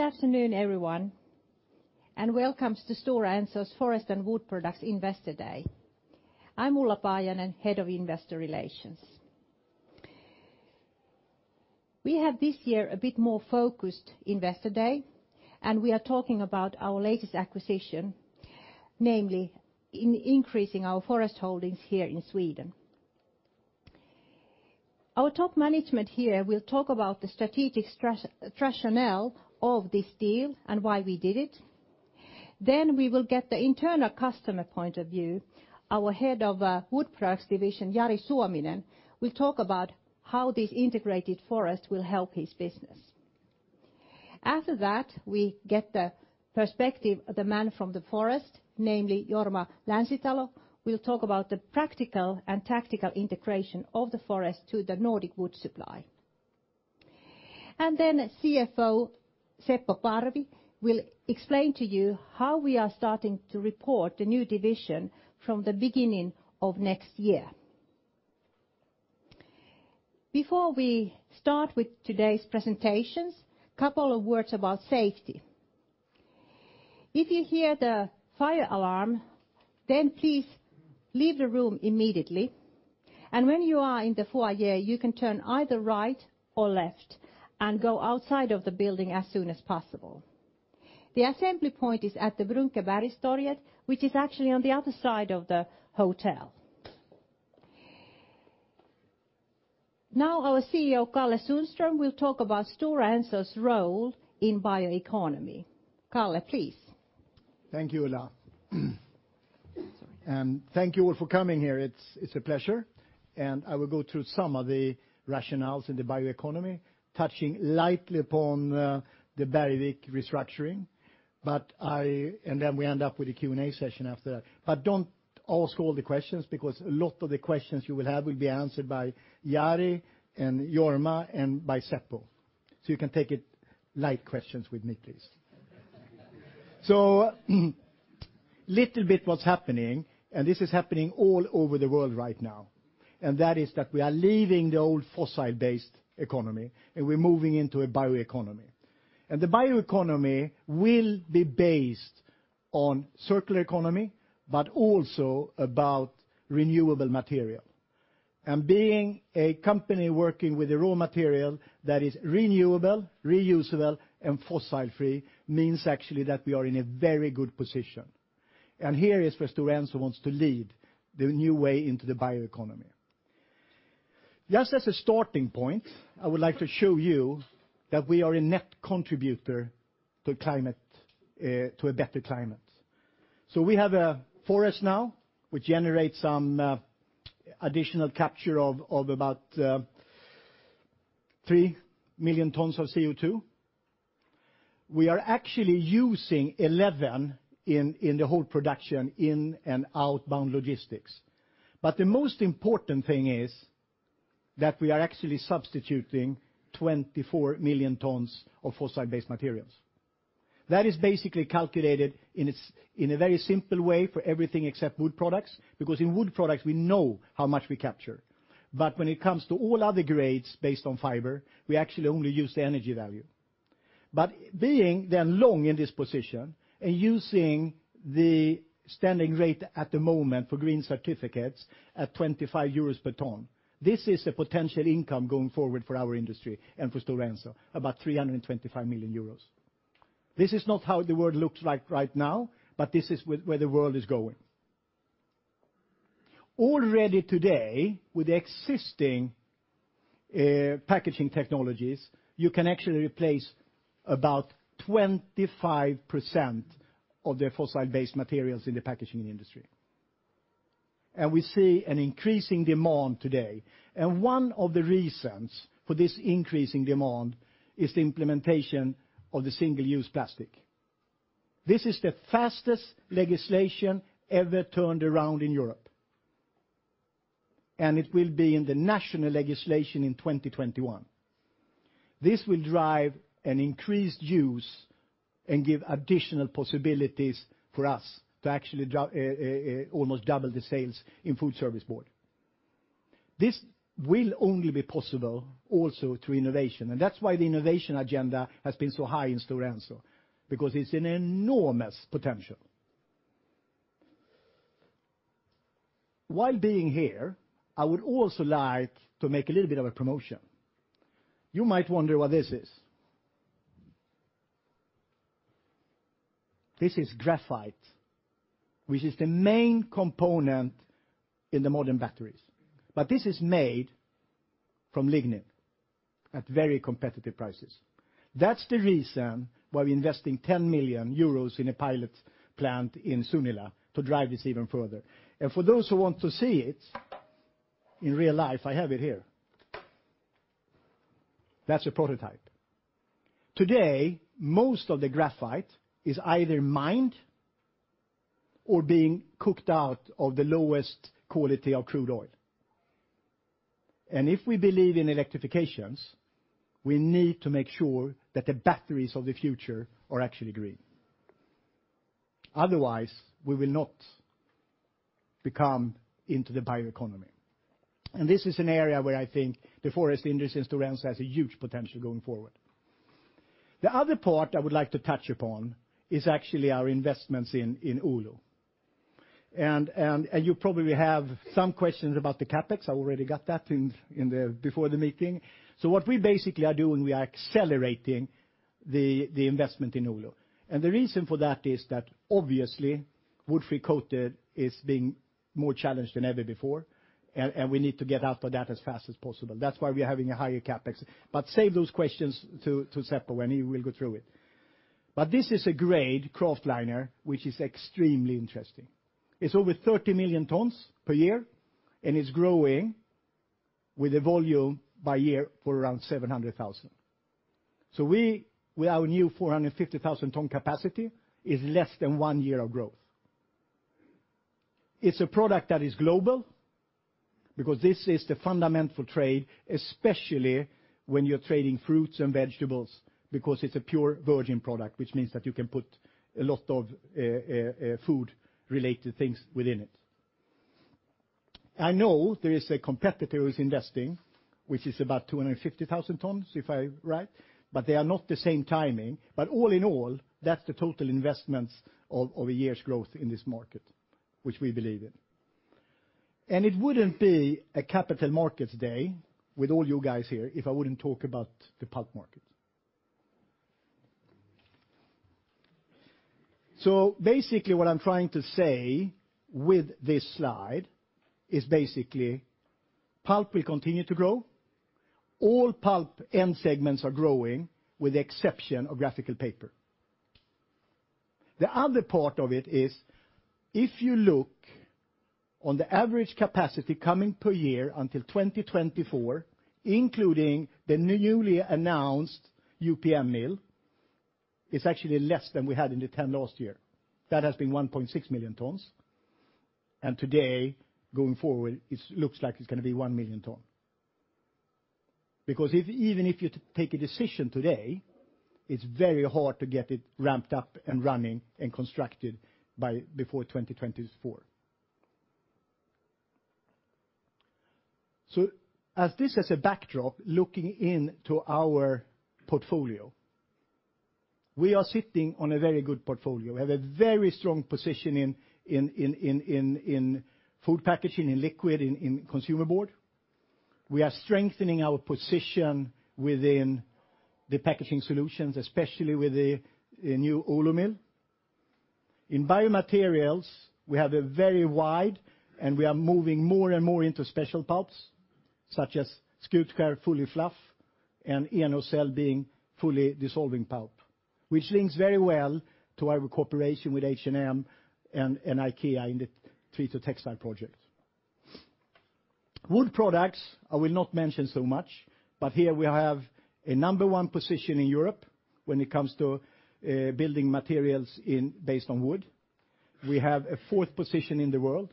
Good afternoon, everyone, welcome to Stora Enso's Forest and Wood Products Investor Day. I'm Ulla Paajanen, Head of Investor Relations. We have, this year, a bit more focused investor day, and we are talking about our latest acquisition, namely in increasing our forest holdings here in Sweden. Our top management here will talk about the strategic rationale of this deal and why we did it. We will get the internal customer point of view. Our Head of Wood Products division, Jari Suominen, will talk about how this integrated forest will help his business. After that, we get the perspective of the man from the forest, namely Jorma Länsitalo, will talk about the practical and tactical integration of the forest to the Nordic wood supply. CFO Seppo Parvi will explain to you how we are starting to report the new division from the beginning of next year. Before we start with today's presentations, couple of words about safety. If you hear the fire alarm, then please leave the room immediately, and when you are in the foyer, you can turn either right or left and go outside of the building as soon as possible. The assembly point is at the Brunkebergstorget, which is actually on the other side of the hotel. Now our CEO, Karl-Henrik Sundström, will talk about Stora Enso's role in bioeconomy. Kalle, please. Thank you, Ulla. Sorry. Thank you all for coming here. It's a pleasure. I will go through some of the rationales in the bioeconomy, touching lightly upon the Bergvik restructuring. Then we end up with a Q&A session after that. Don't ask all the questions, because a lot of the questions you will have will be answered by Jari and Jorma and by Seppo. You can take it light questions with me, please. Little bit what's happening. This is happening all over the world right now. That is that we are leaving the old fossil-based economy. We're moving into a bioeconomy. The bioeconomy will be based on circular economy, also about renewable material. Being a company working with a raw material that is renewable, reusable, and fossil-free means actually that we are in a very good position. Here is where Stora Enso wants to lead the new way into the bioeconomy. Just as a starting point, I would like to show you that we are a net contributor to a better climate. We have a forest now, which generates some additional capture of about 3 million tons of CO2. We are actually using 11 in the whole production in and outbound logistics. The most important thing is that we are actually substituting 24 million tons of fossil-based materials. That is basically calculated in a very simple way for everything except wood products, because in wood products, we know how much we capture. When it comes to all other grades based on fiber, we actually only use the energy value. Being then long in this position and using the standing rate at the moment for green certificates at 25 euros per ton, this is a potential income going forward for our industry and for Stora Enso, about 325 million euros. This is not how the world looks like right now, but this is where the world is going. Already today, with existing packaging technologies, you can actually replace about 25% of the fossil-based materials in the packaging industry. We see an increasing demand today. One of the reasons for this increasing demand is the implementation of the Single-Use Plastics. This is the fastest legislation ever turned around in Europe, and it will be in the national legislation in 2021. This will drive an increased use and give additional possibilities for us to actually almost double the sales in food service board. This will only be possible also through innovation, and that's why the innovation agenda has been so high in Stora Enso, because it's an enormous potential. While being here, I would also like to make a little bit of a promotion. You might wonder what this is. This is graphite, which is the main component in the modern batteries. This is made from lignin at very competitive prices. That's the reason why we're investing 10 million euros in a pilot plant in Sunila to drive this even further. For those who want to see it in real life, I have it here. That's a prototype. Today, most of the graphite is either mined or being cooked out of the lowest quality of crude oil. If we believe in electrification, we need to make sure that the batteries of the future are actually green. Otherwise, we will not become into the bioeconomy. This is an area where I think the forest industry in Stora Enso has a huge potential going forward. The other part I would like to touch upon is actually our investments in Oulu. You probably have some questions about the CapEx. I already got that before the meeting. What we basically are doing, we are accelerating the investment in Oulu. The reason for that is that obviously, wood-free coated is being more challenged than ever before, and we need to get out of that as fast as possible. That's why we are having a higher CapEx. Save those questions to Seppo, and he will go through it. This is a grade, kraftliner, which is extremely interesting. It's over 30 million tons per year, and it's growing with a volume by year for around 700,000. We, with our new 450,000 ton capacity, is less than one year of growth. It's a product that is global, because this is the fundamental trade, especially when you're trading fruits and vegetables, because it's a pure virgin product, which means that you can put a lot of food-related things within it. I know there is a competitor who's investing, which is about 250,000 tons, if I'm right, but they are not the same timing. All in all, that's the total investments of a year's growth in this market, which we believe in. It wouldn't be a capital markets day with all you guys here if I wouldn't talk about the pulp market. Basically, what I am trying to say with this slide is basically pulp will continue to grow. All pulp end segments are growing, with the exception of graphical paper. The other part of it is, if you look on the average capacity coming per year until 2024, including the newly announced UPM mill, it's actually less than we had in the 10 last year. That has been 1.6 million tons. Today, going forward, it looks like it's going to be 1 million ton. Because even if you take a decision today, it's very hard to get it ramped up and running and constructed before 2024. As this as a backdrop, looking into our portfolio, we are sitting on a very good portfolio. We have a very strong position in food packaging, in liquid, in consumer board. We are strengthening our position within the Packaging Solutions, especially with the new Oulu mill. In Biomaterials, we have a very wide, and we are moving more and more into special pulps, such as Skutskär Fully Fluff and Ioncell being fully dissolving pulp, which links very well to our cooperation with H&M and IKEA in the treated textile project. Wood Products, I will not mention so much, but here we have a number one position in Europe when it comes to building materials based on wood. We have a fourth position in the world,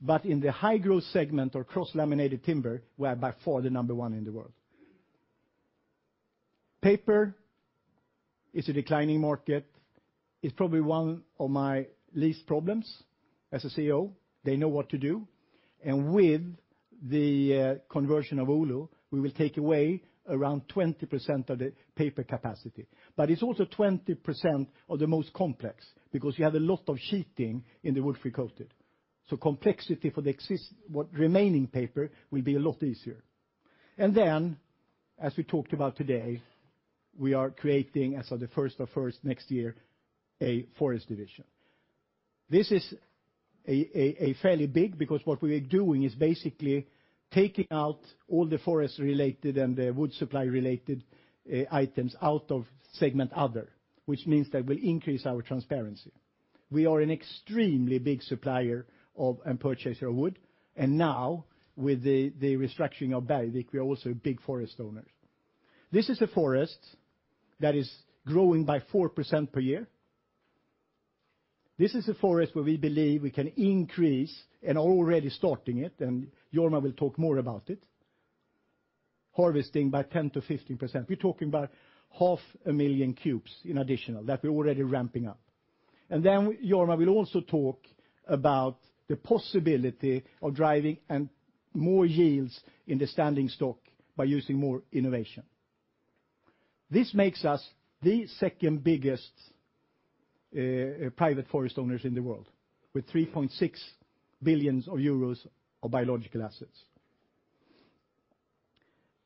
but in the high-growth segment or cross-laminated timber, we are by far the number one in the world. Paper is a declining market. It's probably one of my least problems as a CEO. They know what to do. With the conversion of Oulu, we will take away around 20% of the paper capacity. It's also 20% of the most complex because you have a lot of sheeting in the wood-free coated. Complexity for what remaining paper will be a lot easier. As we talked about today, we are creating, as of the first of first next year, a forest division. This is fairly big because what we are doing is basically taking out all the forest-related and the wood supply-related items out of segment other, which means that we increase our transparency. We are an extremely big supplier and purchaser of wood, and now with the restructuring of Bergvik, we are also big forest owners. This is a forest that is growing by 4% per year. This is a forest where we believe we can increase, and already starting it, and Jorma will talk more about it, harvesting by 10%-15%. We're talking about half a million cubes in additional that we're already ramping up. Jorma will also talk about the possibility of driving and more yields in the standing stock by using more innovation. This makes us the second biggest private forest owners in the world, with 3.6 billion euros of biological assets.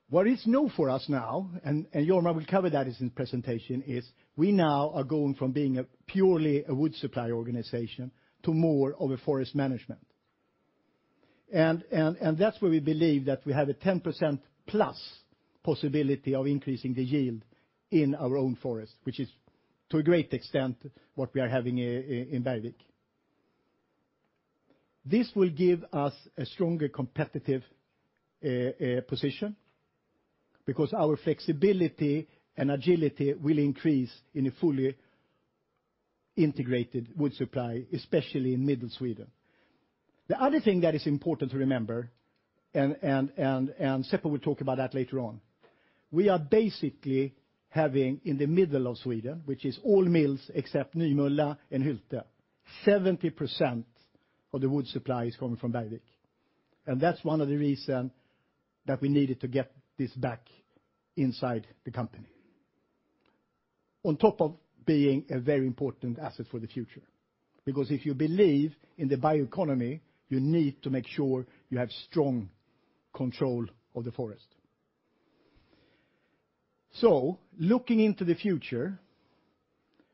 What is new for us now, and Jorma will cover that in his presentation, is we now are going from being purely a wood supply organization to more of a forest management. That's where we believe that we have a 10% plus possibility of increasing the yield in our own forest, which is, to a great extent, what we are having in Bergvik. This will give us a stronger competitive position because our flexibility and agility will increase in a fully integrated wood supply, especially in middle Sweden. The other thing that is important to remember, and Seppo will talk about that later on, we are basically having in the middle of Sweden, which is all mills except Nymölla and Hylte, 70% of the wood supply is coming from Bergvik. That's one of the reason that we needed to get this back inside the company. On top of being a very important asset for the future, because if you believe in the bioeconomy, you need to make sure you have strong control of the forest. Looking into the future,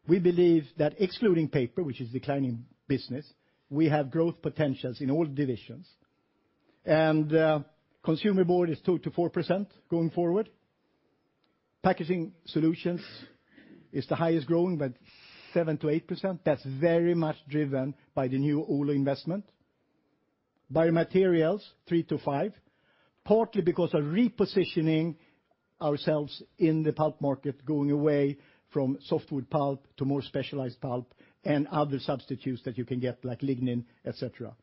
we believe that excluding paper, which is declining business, we have growth potentials in all divisions. Consumer board is 2%-4% going forward. Packaging Solutions is the highest growing, about 7%-8%. That's very much driven by the new Oulu investment. Biomaterials, 3%-5%, partly because of repositioning ourselves in the pulp market, going away from softwood pulp to more specialized pulp and other substitutes that you can get, like lignin, et cetera.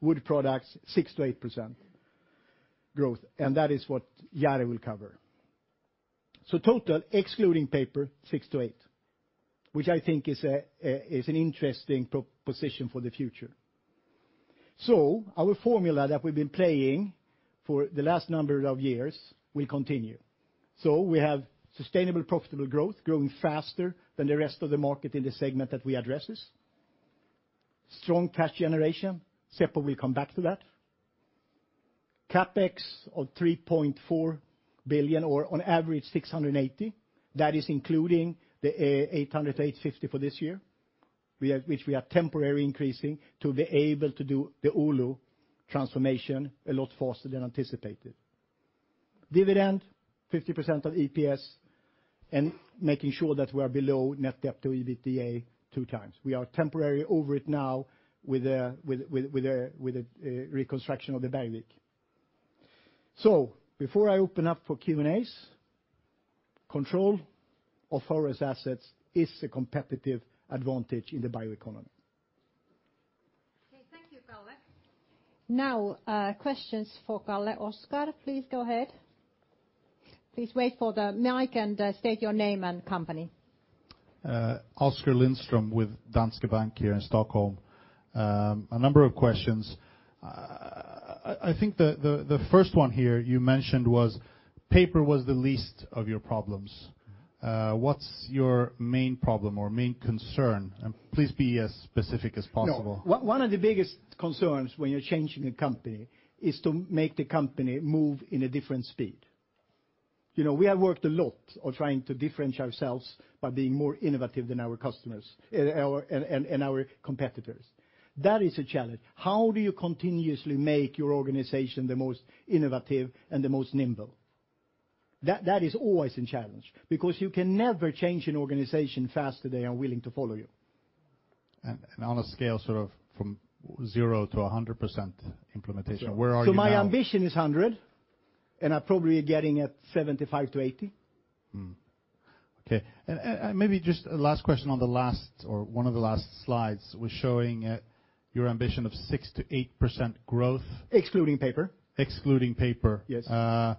Wood Products, 6%-8% growth, and that is what Jari will cover. Total, excluding paper, 6%-8%, which I think is an interesting proposition for the future. Our formula that we've been playing for the last number of years will continue. We have sustainable, profitable growth, growing faster than the rest of the market in the segment that we address. Strong cash generation, Seppo will come back to that. CapEx of 3.4 billion, or on average 680. That is including the 800, 850 for this year, which we are temporarily increasing to be able to do the Oulu transformation a lot faster than anticipated. Dividend, 50% of EPS, and making sure that we are below net debt to EBITDA two times. We are temporarily over it now with the reconstruction of the Bergvik. Before I open up for Q&As, control of forest assets is a competitive advantage in the bioeconomy. Okay, thank you, Kalle. Now, questions for Kalle. Oskar, please go ahead. Please wait for the mic and state your name and company. Oskar Lindström with Danske Bank here in Stockholm. A number of questions. I think the first one here you mentioned was paper was the least of your problems. What's your main problem or main concern? Please be as specific as possible. No, one of the biggest concerns when you're changing a company is to make the company move in a different speed. We have worked a lot on trying to differentiate ourselves by being more innovative than our competitors. That is a challenge. How do you continuously make your organization the most innovative and the most nimble? That is always a challenge, because you can never change an organization faster than they are willing to follow you. On a scale from 0% to 100% implementation, where are you now? My ambition is 100%, and are probably getting at 75%-80%. Okay. Maybe just a last question on the last, or one of the last slides was showing your ambition of 6%-8% growth. Excluding paper. Excluding paper. Yes. That's,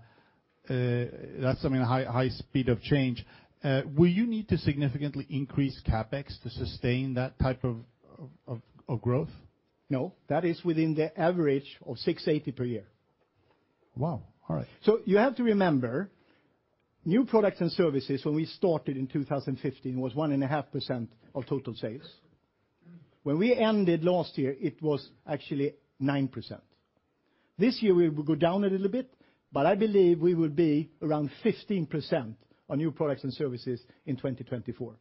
I mean, a high speed of change. Will you need to significantly increase CapEx to sustain that type of growth? No. That is within the average of 680 per year. Wow, all right. You have to remember, new products and services when we started in 2015 was 1.5% of total sales. When we ended last year, it was actually 9%. This year, we will go down a little bit, but I believe we will be around 15% on new products and services in 2024.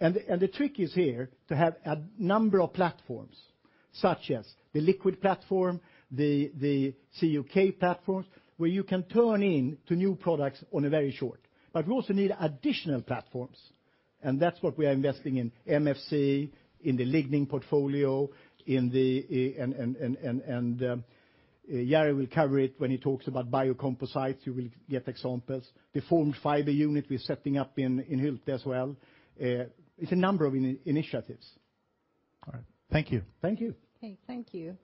The trick is here to have a number of platforms, such as the liquid platform, the CUK platforms, where you can turn in to new products on a very short. We also need additional platforms, and that's what we are investing in MFC, in the Lignin portfolio, and Jari will cover it when he talks about biocomposites, you will get examples. The formed fiber unit we're setting up in Hylte as well. It's a number of initiatives. All right. Thank you. Thank you. Okay, thank you.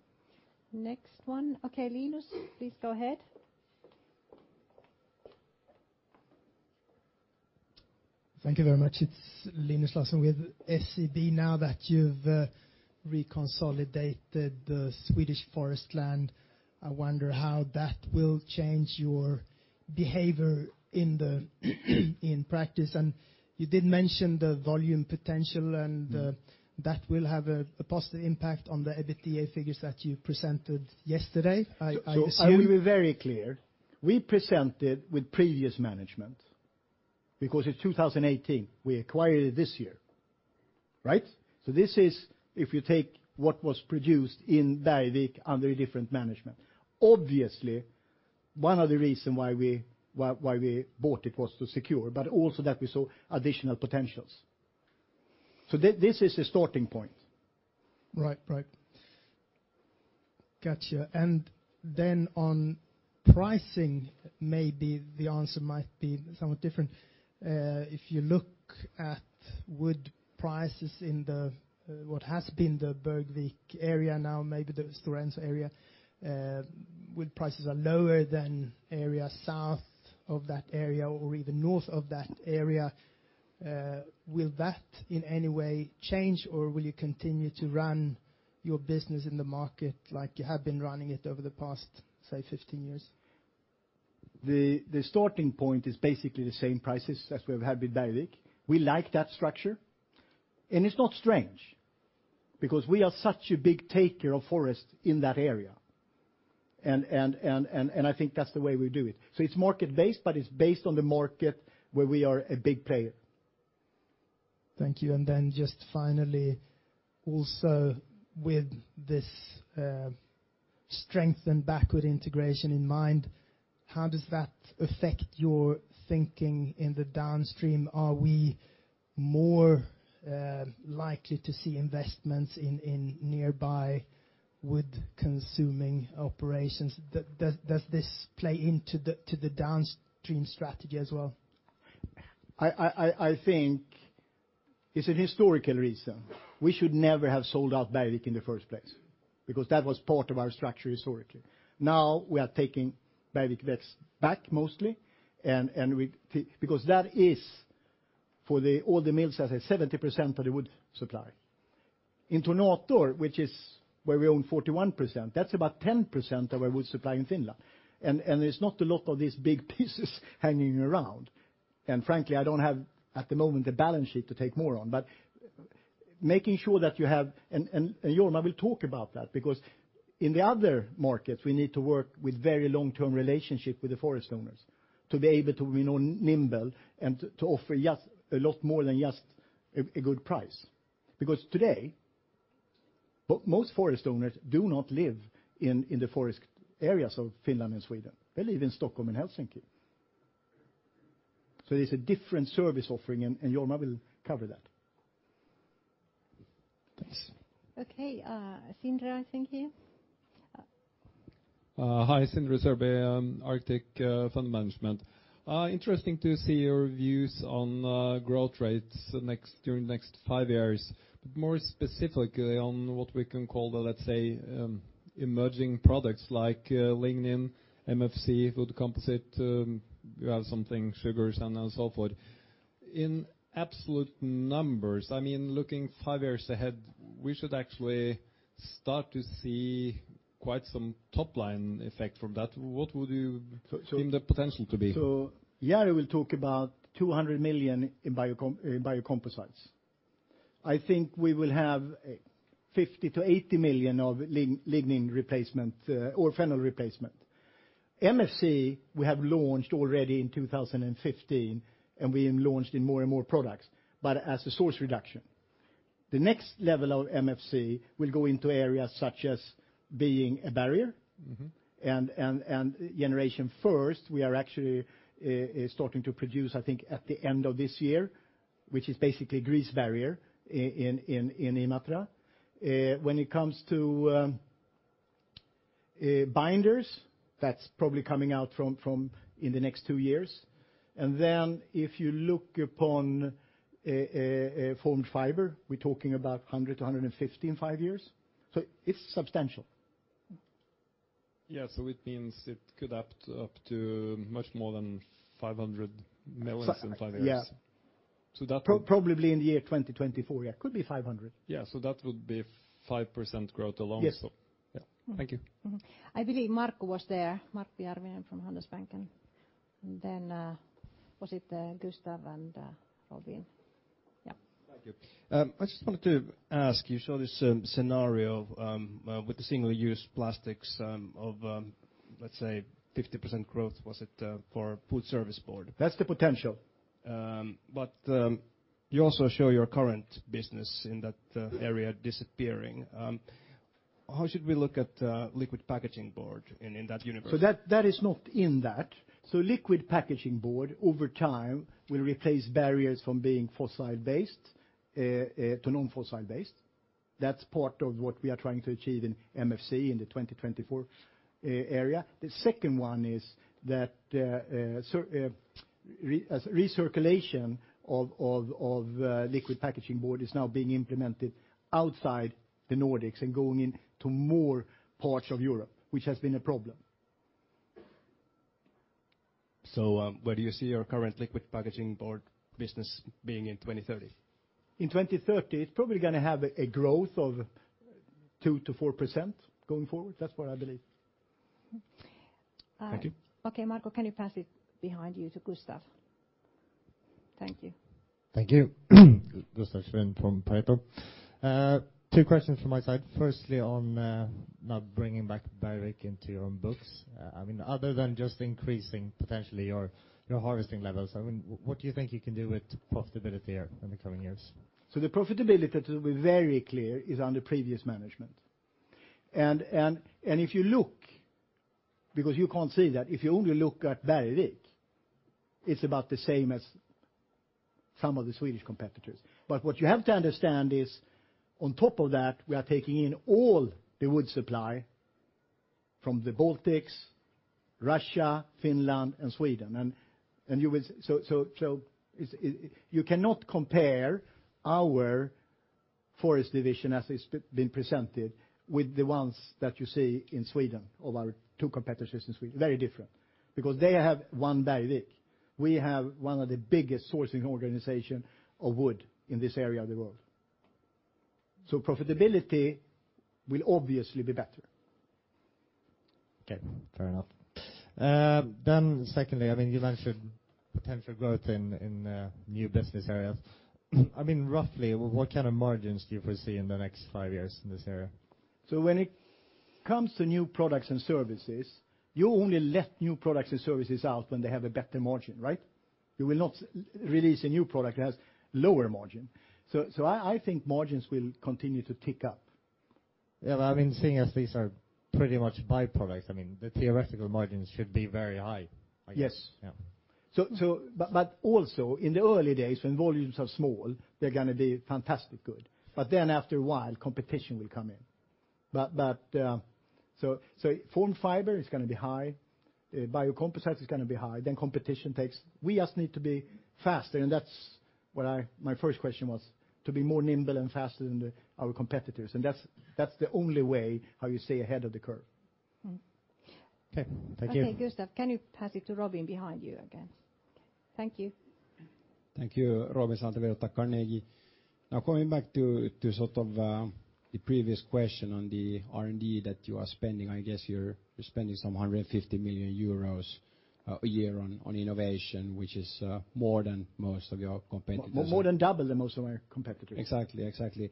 Next one. Okay, Linus, please go ahead. Thank you very much. It's Linus Larsson with SEB. Now that you've reconsolidated the Swedish forest land, I wonder how that will change your behavior in practice. You did mention the volume potential, and that will have a positive impact on the EBITDA figures that you presented yesterday, I assume. I will be very clear. We presented with previous management, because in 2018, we acquired it this year, right? This is if you take what was produced in Bergvik under a different management. Obviously, one of the reason why we bought it was to secure, but also that we saw additional potentials. This is the starting point. Right. Got you. Then on pricing, maybe the answer might be somewhat different. If you look at wood prices in what has been the Bergvik area, now maybe the Stora Enso area, wood prices are lower than areas south of that area, or even north of that area. Will that, in any way, change, or will you continue to run your business in the market like you have been running it over the past, say, 15 years? The starting point is basically the same prices as we've had with Bergvik. We like that structure. It's not strange, because we are such a big taker of forest in that area. I think that's the way we do it. It's market-based, but it's based on the market where we are a big player. Thank you. Just finally, also with this strength and backward integration in mind, how does that affect your thinking in the downstream? Are we more likely to see investments in nearby wood-consuming operations? Does this play into the downstream strategy as well? I think it's a historical reason. We should never have sold out Bergvik in the first place, because that was part of our structure historically. Now we are taking Bergvik back mostly, because that is, for all the mills, I say 70% of the wood supply. Into Tornator, which is where we own 41%, that's about 10% of our wood supply in Finland. There's not a lot of these big pieces hanging around. Frankly, I don't have, at the moment, the balance sheet to take more on. Making sure that you have, and Jorma will talk about that, because in the other markets, we need to work with very long-term relationship with the forest owners to be able to be nimble and to offer a lot more than just a good price. Because today, most forest owners do not live in the forest areas of Finland and Sweden. They live in Stockholm and Helsinki. There's a different service offering, and Jorma will cover that. Thanks. Okay. Sindre, I think you. Hi, Sindre Sørbye, Arctic Asset Management. Interesting to see your views on growth rates during the next five years. More specifically on what we can call the, let's say, emerging products like lignin, MFC, wood composite, you have something, sugars and so forth. In absolute numbers, looking five years ahead, we should actually start to see quite some top-line effect from that. What would you think the potential to be? Jari will talk about 200 million in biocomposites. I think we will have 50 million-80 million of lignin replacement or phenol replacement. MFC, we have launched already in 2015, and we have launched in more and more products, but as a source reduction. The next level of MFC will go into areas such as being a barrier. Generation First, we are actually starting to produce, I think, at the end of this year, which is basically grease barrier in Imatra. When it comes to binders, that's probably coming out in the next two years. If you look upon formed fiber, we're talking about 100 to 150 in five years. It's substantial. Yeah. It means it could add up to much more than 500 million in five years. Yeah. So that- Probably in the year 2024, yeah, could be 500. Yeah, that would be 5% growth alone. Yes. Yeah. Thank you. I believe Markus was there, [Martti Järvinen] from Handelsbanken. Was it Gustav and Robin? Yeah. Thank you. I just wanted to ask, you saw this scenario with the single-use plastics of, let's say, 50% growth was it, for food service board? That's the potential. You also show your current business in that area disappearing. How should we look at liquid packaging board in that universe? That is not in that. Liquid packaging board, over time, will replace barriers from being fossil-based to non-fossil-based. That's part of what we are trying to achieve in MFC in the 2024 area. The second one is that recirculation of liquid packaging board is now being implemented outside the Nordics and going into more parts of Europe, which has been a problem. Where do you see your current liquid packaging board business being in 2030? In 2030, it's probably going to have a growth of 2%-4% going forward. That's what I believe. Thank you. Okay, Markus, can you pass it behind you to Gustav? Thank you. Thank you. Gustav Schön from Pareto. Two questions from my side. Firstly, on now bringing back Bergvik into your own books. Other than just increasing potentially your harvesting levels, what do you think you can do with profitability here in the coming years? The profitability, to be very clear, is under previous management. If you look, because you can't say that, if you only look at Bergvik, it's about the same as some of the Swedish competitors. What you have to understand is on top of that, we are taking in all the wood supply from the Baltics, Russia, Finland, and Sweden. You cannot compare our forest division as it's been presented with the ones that you see in Sweden of our two competitors in Sweden. Very different, because they have one Bergvik. We have one of the biggest sourcing organization of wood in this area of the world. Profitability will obviously be better. Okay, fair enough. Secondly, you mentioned potential growth in new business areas. Roughly, what kind of margins do you foresee in the next five years in this area? When it comes to new products and services, you only let new products and services out when they have a better margin, right? You will not release a new product that has lower margin. I think margins will continue to tick up. Yeah. Seeing as these are pretty much byproducts, the theoretical margins should be very high, I guess. Yes. Yeah. Also in the early days when volumes are small, they're going to be fantastic good. After a while, competition will come in. formed fiber is going to be high, biocomposites is going to be high. We just need to be faster, that's what my first question was, to be more nimble and faster than our competitors. That's the only way how you stay ahead of the curve. Okay. Thank you. Okay, Gustav, can you pass it to Robin behind you again? Thank you. Thank you. Robin Santavirta from Carnegie. Coming back to the previous question on the R&D that you are spending, I guess you're spending some 150 million euros a year on innovation, which is more than most of your competitors. More than double than most of our competitors. Exactly.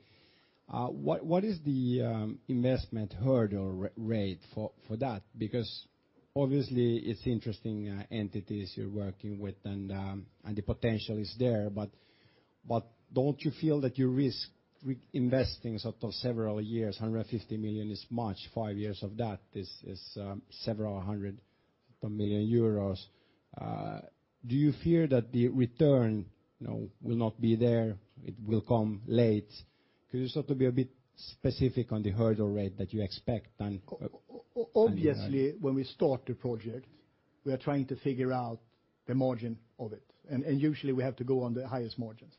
What is the investment hurdle rate for that? Obviously it's interesting entities you're working with and the potential is there. Don't you feel that you risk investing sort of several years, 150 million is much, five years of that is several hundred million EUR. Do you fear that the return will not be there? It will come late? Could you sort of be a bit specific on the hurdle rate that you expect. Obviously, when we start the project, we are trying to figure out the margin of it, and usually we have to go on the highest margins.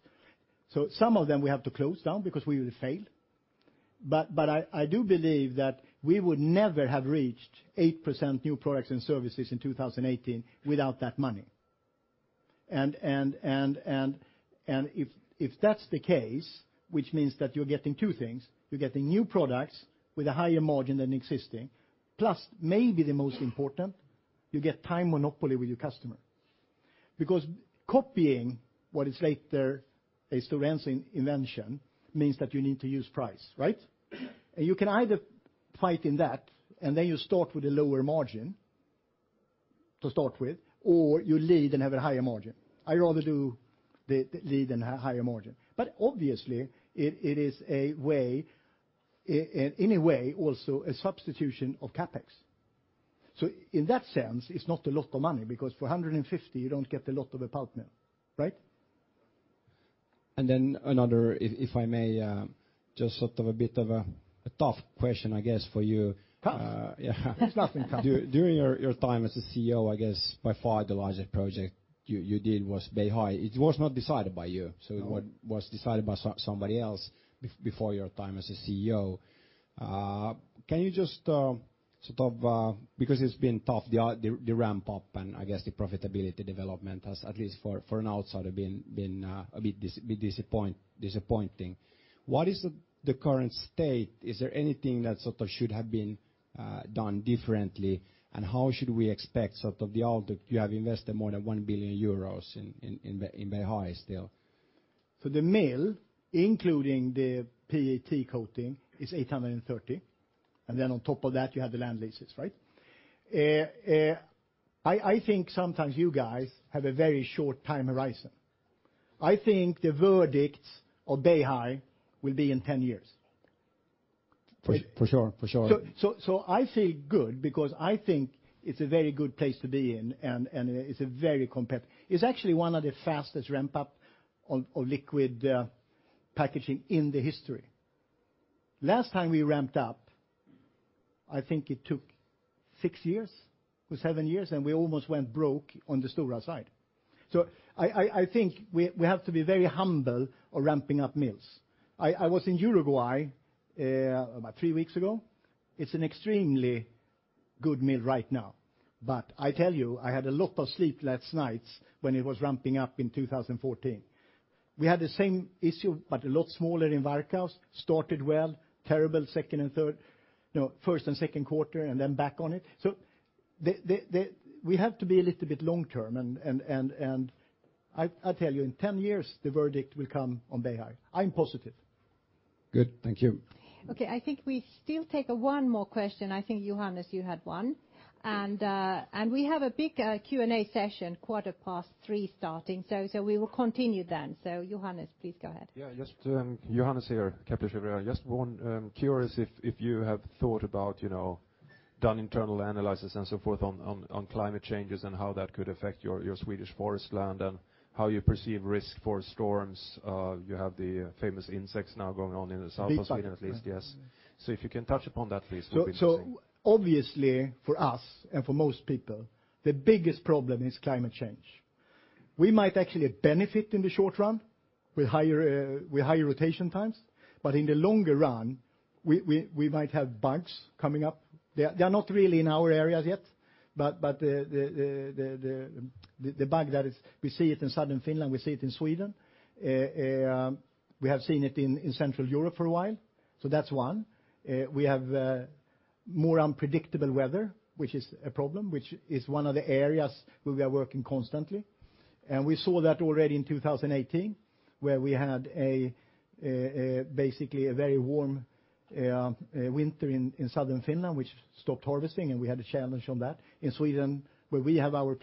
Some of them we have to close down because we would fail. I do believe that we would never have reached 8% new products and services in 2018 without that money. If that's the case, which means that you're getting two things, you're getting new products with a higher margin than existing, plus maybe the most important, you get time monopoly with your customer. Copying what is later a Stora Enso invention means that you need to use price, right? You can either fight in that and then you start with a lower margin to start with, or you lead and have a higher margin. I'd rather do the lead and higher margin. Obviously, it is in a way also a substitution of CapEx. In that sense, it's not a lot of money because for 150, you don't get a lot of a partner. Another, if I may, just sort of a bit of a tough question, I guess, for you. Tough? Yeah. It's nothing tough. During your time as a CEO, I guess by far the largest project you did was Beihai. It was not decided by you. No It was decided by somebody else before your time as a CEO. Because it's been tough, the ramp-up and I guess the profitability development has, at least for an outsider, been a bit disappointing. What is the current state? Is there anything that sort of should have been done differently, and how should we expect sort of. You have invested more than 1 billion euros in Beihai still. The mill, including the PET coating, is 830, and then on top of that, you have the land leases, right? I think sometimes you guys have a very short time horizon. I think the verdict of Beihai will be in 10 years. For sure. I say good because I think it's a very good place to be in. It's actually one of the fastest ramp-up of liquid packaging in the history. Last time we ramped up, I think it took six years or seven years. We almost went broke on the Stora side. I think we have to be very humble on ramping up mills. I was in Uruguay about three weeks ago. It's an extremely good mill right now. I tell you, I had a lot of sleepless nights when it was ramping up in 2014. We had the same issue, a lot smaller in Varkaus. Started well, terrible first and second quarter, then back on it. We have to be a little bit long-term. I tell you, in 10 years the verdict will come on Beihai. I'm positive. Good. Thank you. Okay, I think we still take one more question. I think, Johannes, you had one. We have a big Q&A session quarter past 3:00 starting, so we will continue then. Johannes, please go ahead. Just Johannes here, Kepler. Just curious if you have done internal analysis and so forth on climate changes and how that could affect your Swedish forest land and how you perceive risk for storms. You have the famous insects now going on in the south of Sweden at least. Beetles. Yes. If you can touch upon that, please, it would be interesting. Obviously for us and for most people, the biggest problem is climate change. We might actually benefit in the short run with higher rotation times. In the longer run, we might have bugs coming up. They are not really in our areas yet, but the bug that is, we see it in southern Finland, we see it in Sweden. We have seen it in Central Europe for a while. That's one. We have more unpredictable weather, which is a problem, which is one of the areas where we are working constantly. We saw that already in 2018, where we had basically a very warm winter in southern Finland, which stopped harvesting, and we had a challenge on that. In Sweden, where we have our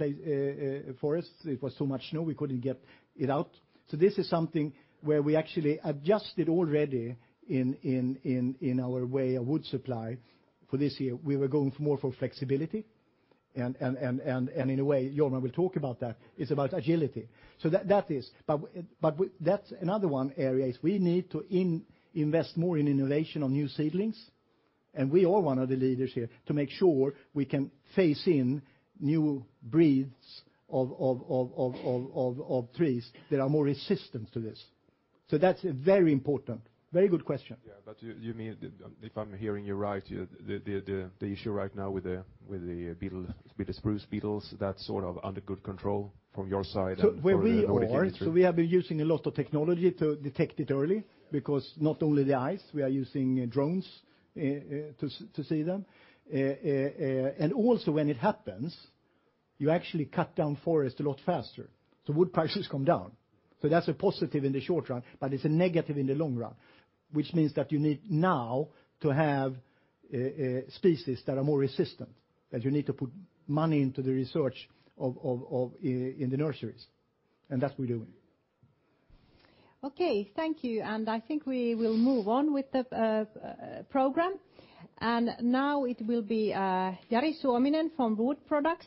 forests, it was so much snow, we couldn't get it out. This is something where we actually adjusted already in our way of wood supply for this year. We were going more for flexibility and in a way, Jorma will talk about that, it's about agility. That's another one area is we need to invest more in innovation on new seedlings, and we are one of the leaders here, to make sure we can phase in new breeds of trees that are more resistant to this. That's very important. Very good question. Yeah, you mean, if I'm hearing you right, the issue right now with the spruce beetles, that's sort of under good control from your side? So where we are- in order to get it through. We have been using a lot of technology to detect it early, because not only the eyes, we are using drones to see them. Also when it happens, you actually cut down forest a lot faster, so wood prices come down. That's a positive in the short run, but it's a negative in the long run, which means that you need now to have species that are more resistant, that you need to put money into the research in the nurseries. That we're doing. Okay. Thank you. I think we will move on with the program. Now it will be Jari Suominen from Wood Products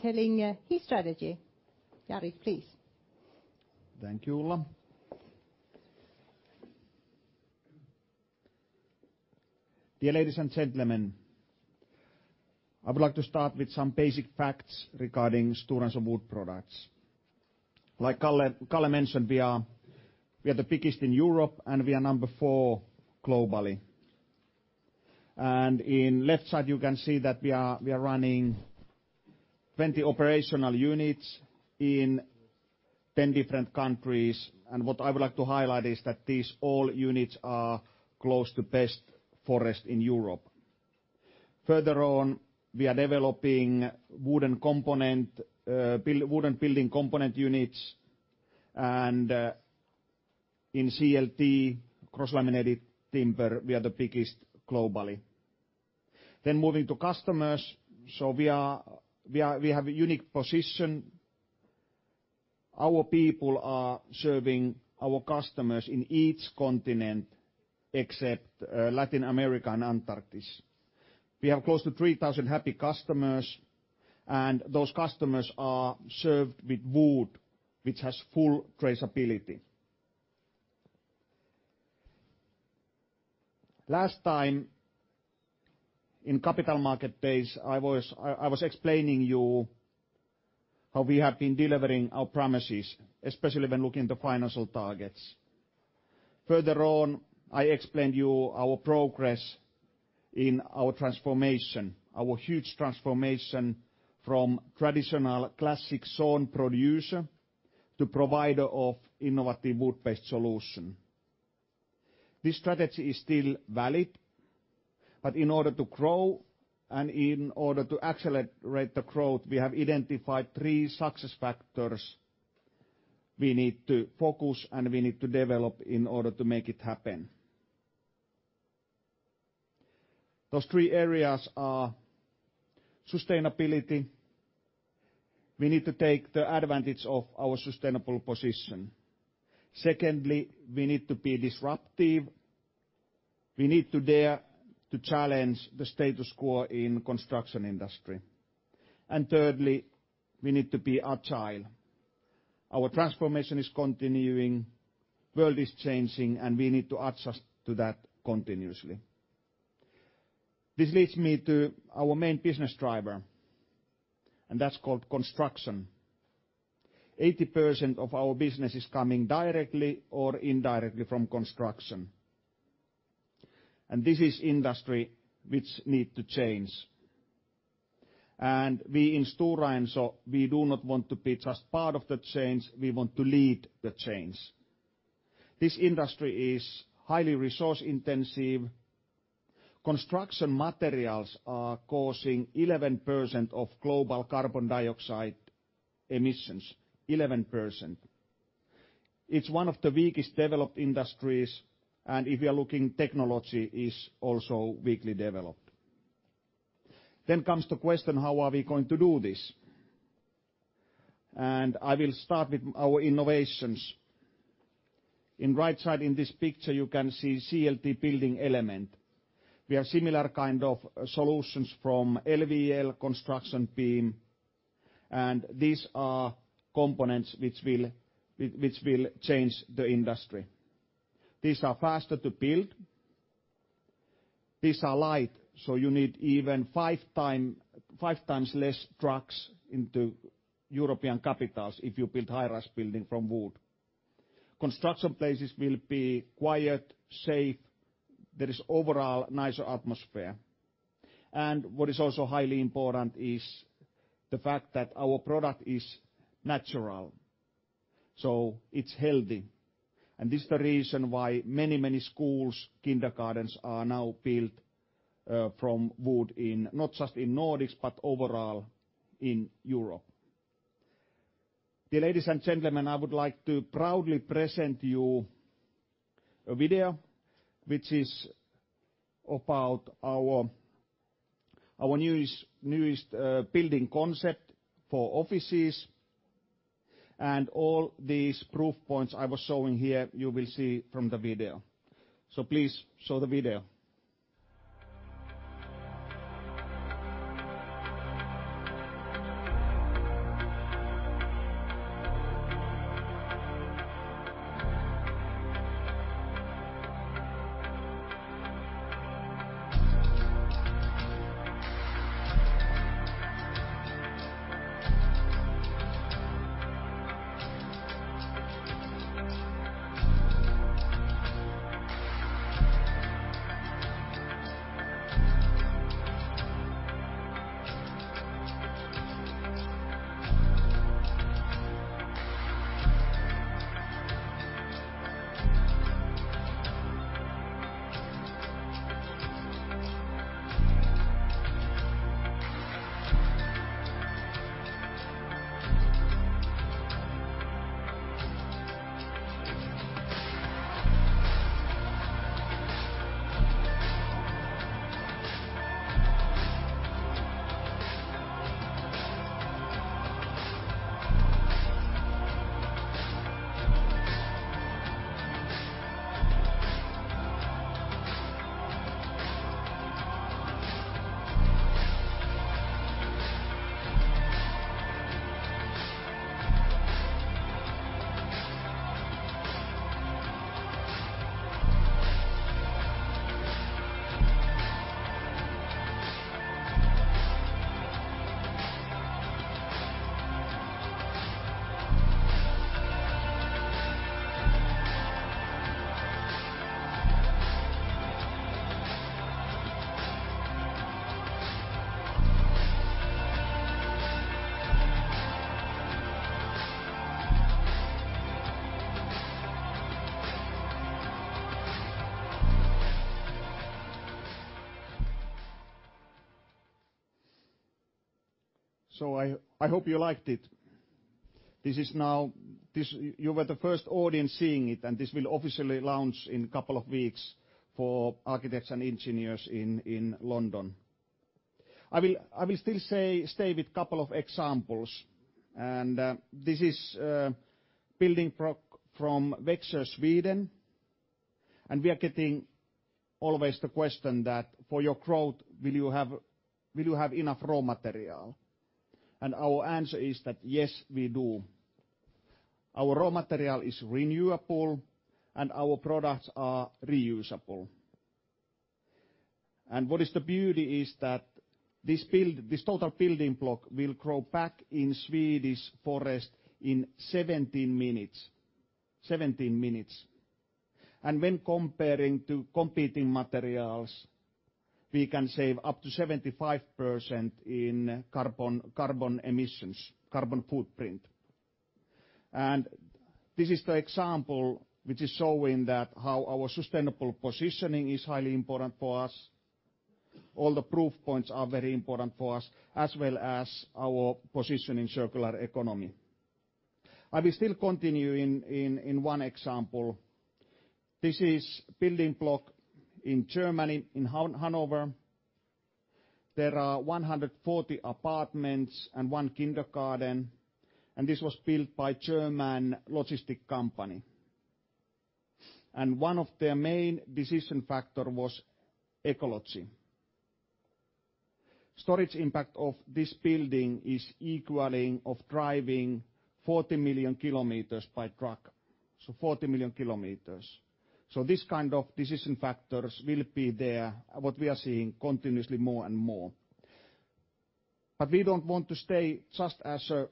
telling his strategy. Jari, please. Thank you, Ulla. Dear ladies and gentlemen, I would like to start with some basic facts regarding Stora Enso Wood Products. Like Kalle mentioned, we are the biggest in Europe, and we are number four globally. In left side, you can see that we are running 20 operational units in 10 different countries. What I would like to highlight is that these all units are close to best forest in Europe. Further on, we are developing wooden building component units, and in CLT, cross-laminated timber, we are the biggest globally. Moving to customers. We have a unique position. Our people are serving our customers in each continent except Latin America and Antarctica. We have close to 3,000 happy customers, and those customers are served with wood which has full traceability. Last time in Capital Market Days, I was explaining you how we have been delivering our promises, especially when looking at the financial targets. Further on, I explained you our progress in our transformation, our huge transformation from traditional classic sawn producer to provider of innovative wood-based solution. This strategy is still valid, but in order to grow and in order to accelerate the growth, we have identified three success factors we need to focus and we need to develop in order to make it happen. Those three areas are sustainability. We need to take the advantage of our sustainable position. Secondly, we need to be disruptive. We need to dare to challenge the status quo in construction industry. Thirdly, we need to be agile. Our transformation is continuing, world is changing, and we need to adjust to that continuously. This leads me to our main business driver, and that's called construction. 80% of our business is coming directly or indirectly from construction. This is industry which need to change. We in Stora Enso, we do not want to be just part of the change. We want to lead the change. This industry is highly resource-intensive. Construction materials are causing 11% of global carbon dioxide emissions. 11%. It's one of the weakest developed industries, and if you are looking, technology is also weakly developed. Comes the question, how are we going to do this? I will start with our innovations. In right side in this picture, you can see CLT building element. We have similar kind of solutions from LVL construction beam, and these are components which will change the industry. These are faster to build. These are light, so you need even five times less trucks into European capitals if you build high-rise building from wood. Construction places will be quiet, safe. There is overall nicer atmosphere. What is also highly important is the fact that our product is natural, so it's healthy. This is the reason why many schools, kindergartens are now built from wood, not just in Nordics, but overall in Europe. Ladies and gentlemen, I would like to proudly present you a video which is about our newest building concept for offices and all these proof points I was showing here, you will see from the video. Please show the video. I hope you liked it. You were the first audience seeing it, and this will officially launch in a couple of weeks for architects and engineers in London. I will still stay with couple of examples, and this is building from Växjö, Sweden, and we are getting always the question that, "For your growth, will you have enough raw material?" Our answer is that yes, we do. Our raw material is renewable, and our products are reusable. What is the beauty is that this total building block will grow back in Swedish forest in 17 minutes. 17 minutes. When comparing to competing materials, we can save up to 75% in carbon emissions, carbon footprint. This is the example which is showing that how our sustainable positioning is highly important for us. All the proof points are very important for us, as well as our position in circular economy. I will still continue in one example. This is building block in Germany, in Hannover. There are 140 apartments and one kindergarten, this was built by German logistic company. One of their main decision factor was ecology. Storage impact of this building is equaling of driving 40 million kilometers by truck. 40 million kilometers. This kind of decision factors will be there, what we are seeing continuously more and more. We don't want to stay just as a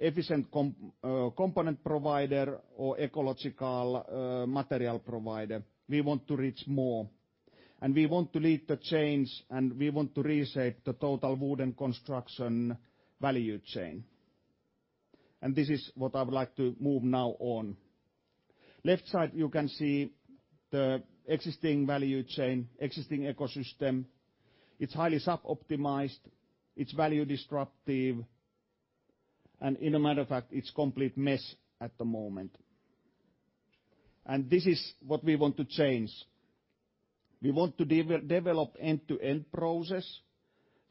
efficient component provider or ecological material provider. We want to reach more, and we want to lead the change, and we want to reshape the total wooden construction value chain. This is what I would like to move now on. Left side, you can see the existing value chain, existing ecosystem. It's highly sub-optimized, it's value destructive, and in a matter of fact, it's complete mess at the moment. This is what we want to change. We want to develop end-to-end process,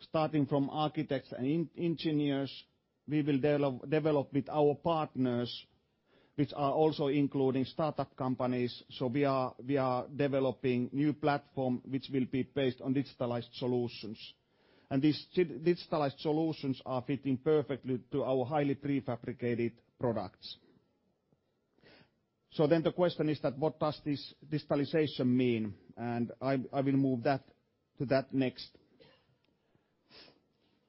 starting from architects and engineers. We will develop with our partners, which are also including startup companies. We are developing new platform which will be based on digitalized solutions. These digitalized solutions are fitting perfectly to our highly prefabricated products. The question is that what does this digitalization mean? I will move to that next.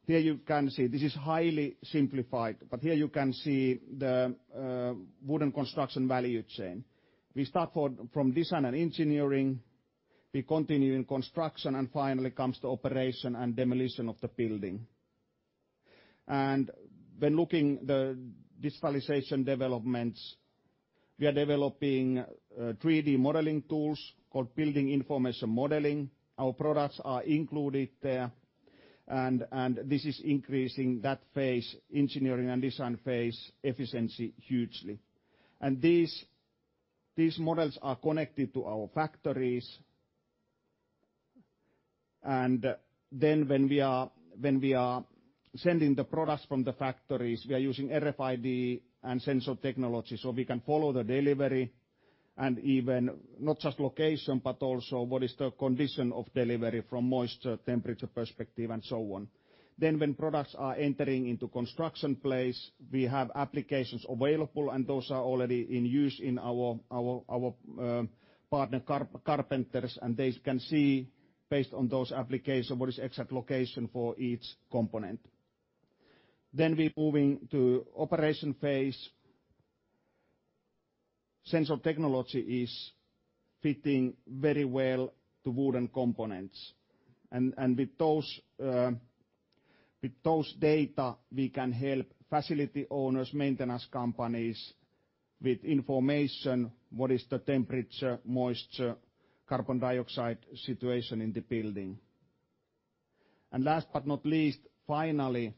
Here you can see, this is highly simplified, but here you can see the wooden construction value chain. We start from design and engineering, we continue in construction, and finally comes to operation and demolition of the building. When looking the digitalization developments, we are developing 3D modeling tools called Building Information Modeling. Our products are included there, and this is increasing that phase, engineering and design phase efficiency hugely. These models are connected to our factories. When we are sending the products from the factories, we are using RFID and sensor technology, so we can follow the delivery and even not just location, but also what is the condition of delivery from moisture, temperature perspective, and so on. When products are entering into construction place, we have applications available, and those are already in use in our partner carpenters, and they can see based on those application what is exact location for each component. We moving to operation phase. Sensor technology is fitting very well to wooden components. With those data, we can help facility owners, maintenance companies with information, what is the temperature, moisture, carbon dioxide situation in the building. Last but not least, finally,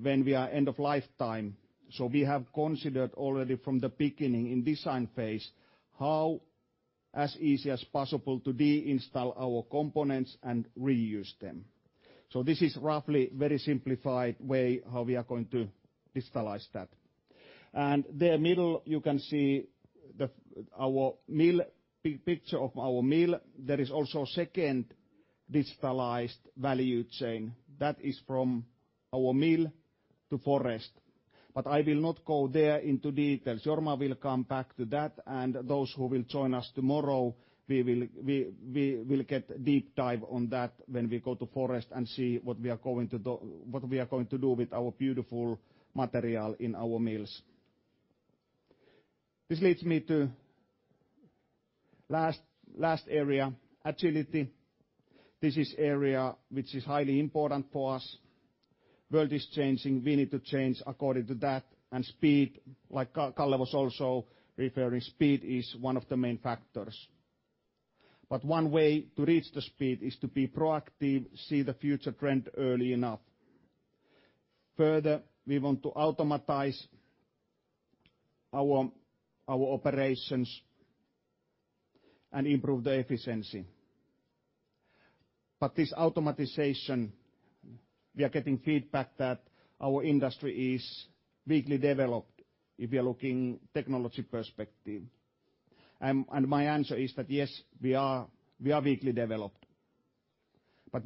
when we are end of lifetime, we have considered already from the beginning in design phase how as easy as possible to de-install our components and reuse them. This is roughly very simplified way how we are going to digitalize that. There middle, you can see picture of our mill. There is also second digitalized value chain. That is from our mill to forest. I will not go there into details. Jorma will come back to that, those who will join us tomorrow, we will get deep dive on that when we go to forest and see what we are going to do with our beautiful material in our mills. This leads me to last area, agility. This is area which is highly important for us. World is changing. We need to change according to that, and speed, like Kalle was also referring, speed is one of the main factors. One way to reach the speed is to be proactive, see the future trend early enough. Further, we want to automatize our operations and improve the efficiency. This automatization, we are getting feedback that our industry is weakly developed if we are looking technology perspective. My answer is that, yes, we are weakly developed.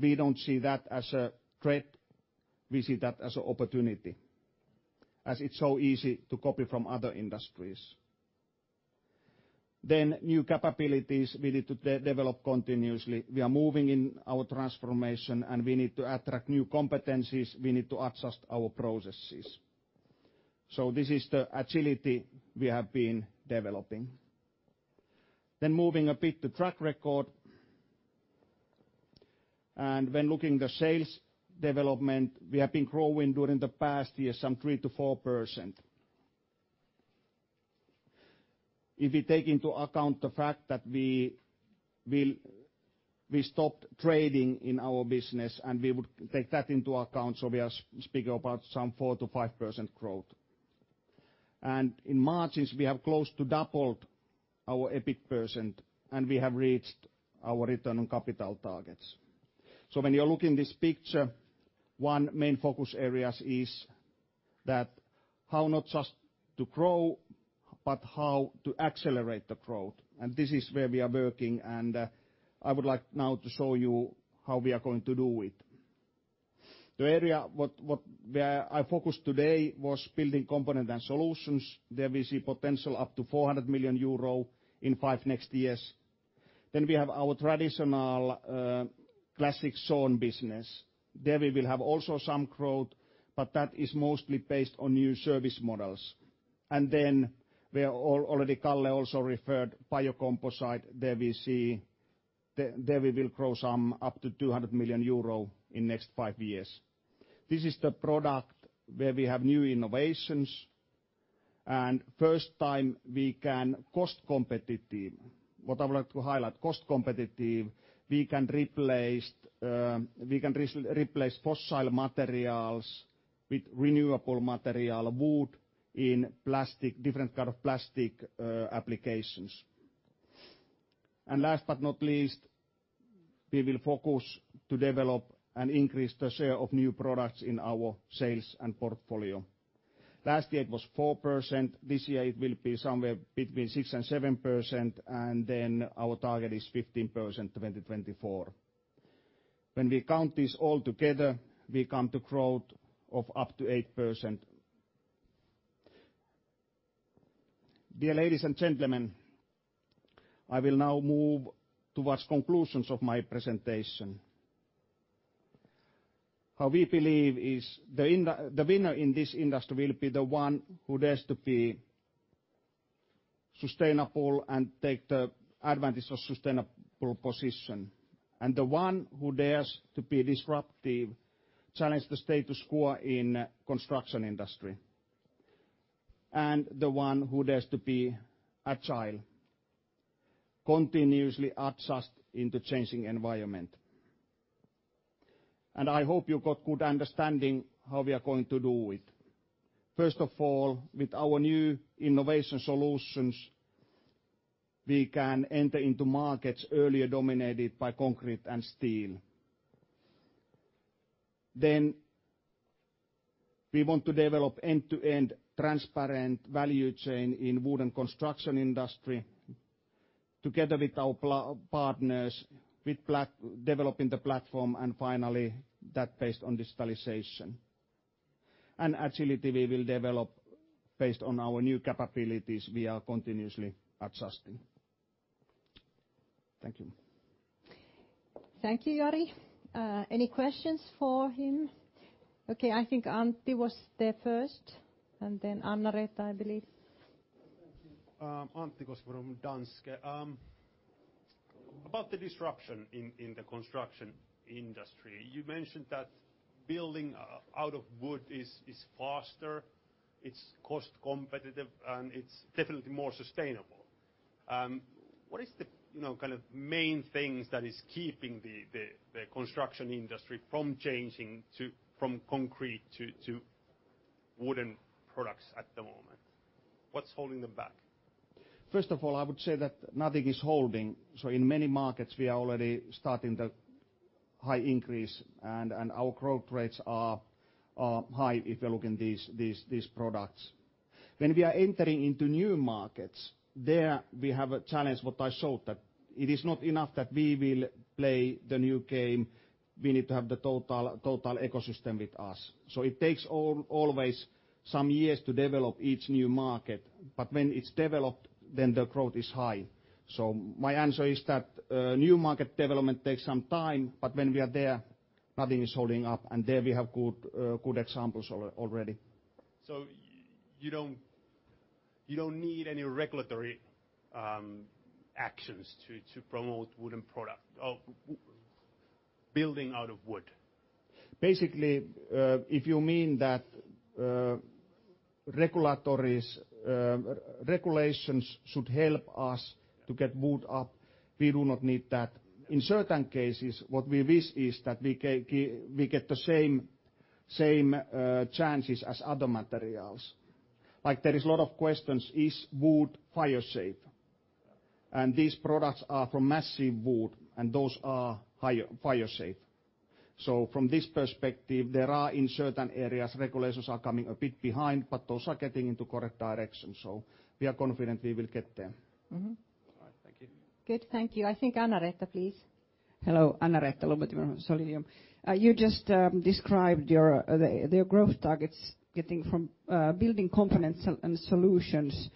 We don't see that as a threat. We see that as a opportunity, as it's so easy to copy from other industries. New capabilities we need to develop continuously. We are moving in our transformation, and we need to attract new competencies, we need to adjust our processes. This is the agility we have been developing. Moving a bit to track record. When looking the sales development, we have been growing during the past year some 3% to 4%. If we take into account the fact that we stopped trading in our business, and we would take that into account, so we are speaking about some 4% to 5% growth. In margins, we have close to doubled our EBIT % and we have reached our return on capital targets. When you're looking this picture, one main focus areas is that how not just to grow, but how to accelerate the growth. This is where we are working, and I would like now to show you how we are going to do it. The area where I focused today was building component and solutions. There we see potential up to 400 million euro in five next years. We have our traditional classic sawn business. There we will have also some growth, but that is mostly based on new service models. Where already Kalle also referred biocomposite. There we will grow some up to 200 million euro in next five years. This is the product where we have new innovations, and first time we can cost-competitive. What I would like to highlight, cost-competitive, we can replace fossil materials with renewable material, wood in different kind of plastic applications. Last but not least, we will focus to develop and increase the share of new products in our sales and portfolio. Last year it was 4%, this year it will be somewhere between 6% and 7%, our target is 15% in 2024. We count this all together, we come to growth of up to 8%. Dear ladies and gentlemen, I will now move towards conclusions of my presentation. How we believe is the winner in this industry will be the one who dares to be sustainable and take the advantage of sustainable position, and the one who dares to be disruptive, challenge the status quo in construction industry, and the one who dares to be agile, continuously adjust into changing environment. I hope you got good understanding how we are going to do it. First of all, with our new innovation solutions, we can enter into markets earlier dominated by concrete and steel. We want to develop end-to-end transparent value chain in wood and construction industry together with our partners, with developing the platform, and finally that based on digitalization. Agility we will develop based on our new capabilities we are continuously adjusting. Thank you. Thank you, Jari. Any questions for him? Okay, I think Antti was there first, and then Annaretta, I believe. Thank you. Antti Koskinen from Danske. About the disruption in the construction industry, you mentioned that building out of wood is faster, it's cost competitive, and it's definitely more sustainable. What is the main things that is keeping the construction industry from changing from concrete to wooden products at the moment? What's holding them back? First of all, I would say that nothing is holding. In many markets we are already starting the high increase, and our growth rates are high if you look in these products. When we are entering into new markets, there we have a challenge, what I showed, that it is not enough that we will play the new game. We need to have the total ecosystem with us. It takes always some years to develop each new market, but when it's developed, then the growth is high. My answer is that new market development takes some time, but when we are there, nothing is holding up, and there we have good examples already. You don't need any regulatory actions to promote wooden product or building out of wood? Basically, if you mean that regulations should help us to get wood up, we do not need that. In certain cases, what we wish is that we get the same chances as other materials. There is a lot of questions, is wood fire safe? These products are from massive wood, and those are fire safe. From this perspective, there are in certain areas, regulations are coming a bit behind, but those are getting into correct direction. We are confident we will get there. All right. Thank you. Good. Thank you. I think Annaretta, please. Hello. Annaretta Lumivuori from Solium. You just described your growth targets getting from building components and solutions 3 million to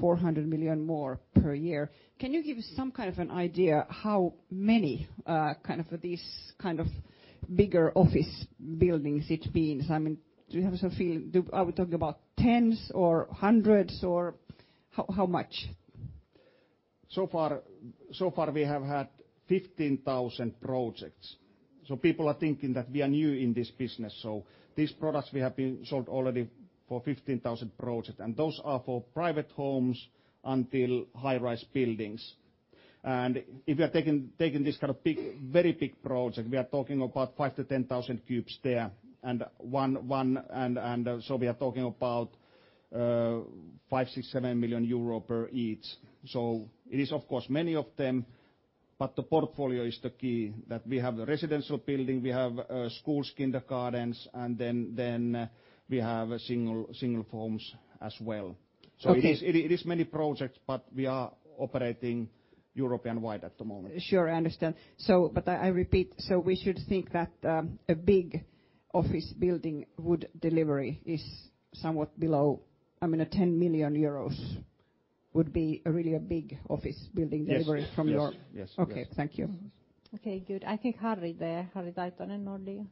400 million more per year. Can you give some kind of an idea how many these kind of bigger office buildings it means? Do you have a feel, are we talking about tens or hundreds or how much? We have had 15,000 projects. People are thinking that we are new in this business. These products we have been sold already for 15,000 projects, and those are for private homes until high-rise buildings. If you are taking this kind of very big project, we are talking about 5,000 to 10,000 cubes there. We are talking about 5 million euro, 6 million, 7 million euro per each. It is of course many of them, but the portfolio is the key that we have the residential building, we have schools, kindergartens, and then we have single forms as well. Okay. It is many projects, but we are operating European-wide at the moment. Sure. I understand. I repeat, we should think that a big office building wood delivery is somewhat below, I mean, a 10 million euros would be really a big office building delivery. Yes from your- Yes. Okay. Thank you. Okay, good. I think Harri there. Harri Taittonen, Nordea. Thanks. Harri Taittonen, Nordea.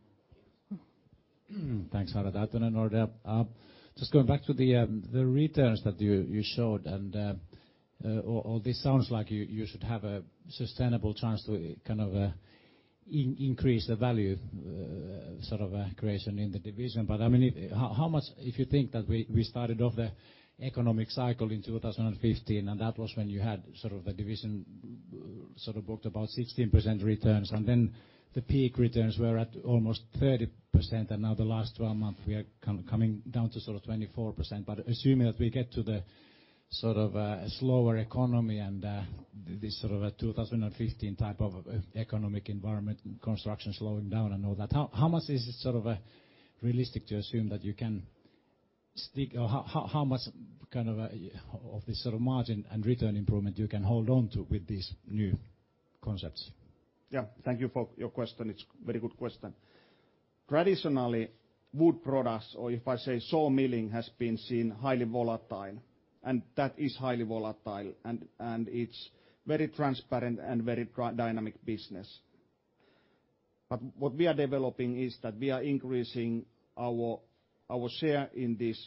Just going back to the returns that you showed and all this sounds like you should have a sustainable chance to increase the value creation in the division. If you think that we started off the economic cycle in 2015, and that was when you had the division booked about 16% returns, and then the peak returns were at almost 30%, and now the last 12 months, we are coming down to 24%. Assuming that we get to the slower economy and this 2015 type of economic environment, construction slowing down and all that, how much is it realistic to assume that you can stick, or how much of this sort of margin and return improvement you can hold on to with these new concepts? Yeah. Thank you for your question. It's a very good question. Traditionally, wood products, or if I say saw milling, has been seen highly volatile, and that is highly volatile, and it's very transparent and very dynamic business. What we are developing is that we are increasing our share in this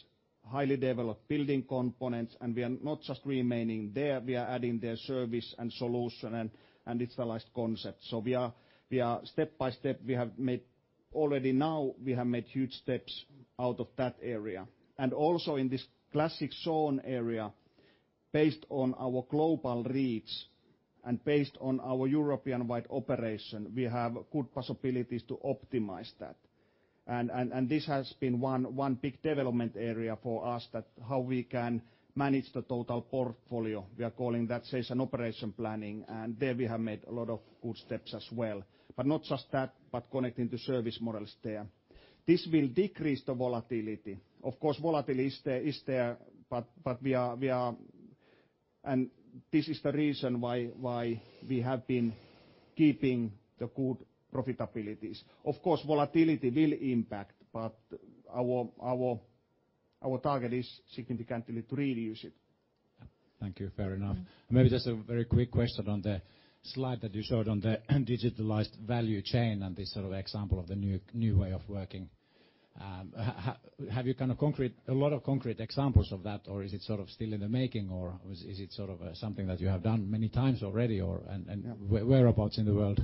highly developed building components, and we are not just remaining there, we are adding the service and solution and internalized concepts. Step by step, already now, we have made huge steps out of that area. Also in this classic sawn area, based on our global reach and based on our European-wide operation, we have good possibilities to optimize that. This has been one big development area for us, how we can manage the total portfolio. We are calling that sales and operation planning, and there we have made a lot of good steps as well. Not just that, but connecting to service models there. This will decrease the volatility. Of course, volatility is there, and this is the reason why we have been keeping the good profitabilities. Of course, volatility will impact, but our target is significantly to reduce it. Thank you. Fair enough. Maybe just a very quick question on the slide that you showed on the digitalized value chain and this example of the new way of working. Have you a lot of concrete examples of that, or is it still in the making, or is it something that you have done many times already, and whereabouts in the world?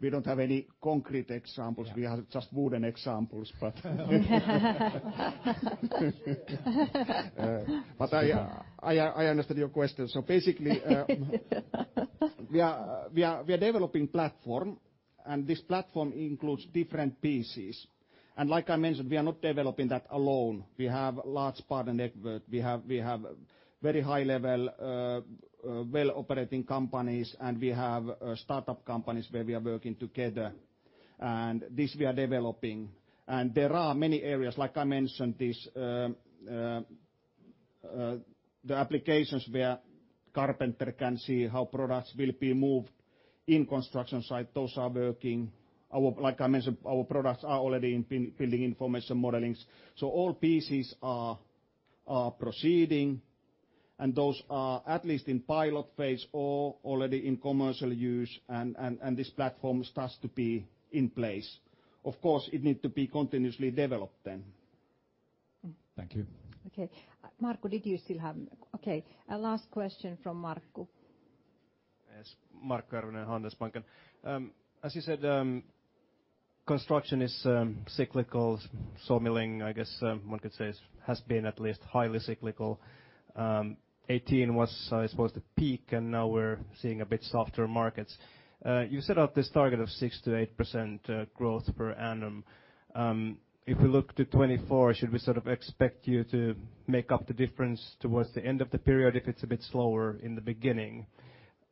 We don't have any concrete examples. We have just wooden examples. I understood your question. Basically, we are developing platform, and this platform includes different pieces. Like I mentioned, we are not developing that alone. We have large partners and expert. We have very high level, well-operating companies, and we have startup companies where we are working together, and this we are developing. There are many areas. Like I mentioned, the applications where carpenter can see how products will be moved in construction site, those are working. Like I mentioned, our products are already in Building Information Modeling. All pieces are proceeding, and those are at least in pilot phase or already in commercial use. This platform starts to be in place. Of course, it needs to be continuously developed then. Thank you. Okay. Last question from Markku. Yes. Markus Ordan, Handelsbanken. As you said, construction is cyclical. Sawmilling, I guess one could say, has been at least highly cyclical. 2018 was, I suppose, the peak, now we're seeing a bit softer markets. You set out this target of 6%-8% growth per annum. If we look to 2024, should we expect you to make up the difference towards the end of the period if it's a bit slower in the beginning?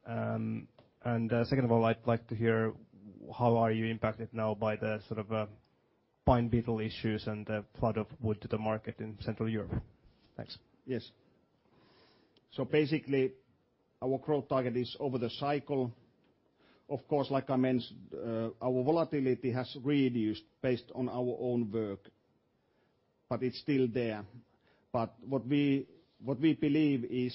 Second of all, I'd like to hear how are you impacted now by the pine beetle issues and the flood of wood to the market in Central Europe? Thanks. Yes. Basically, our growth target is over the cycle. Of course, like I mentioned, our volatility has reduced based on our own work, but it's still there. What we believe is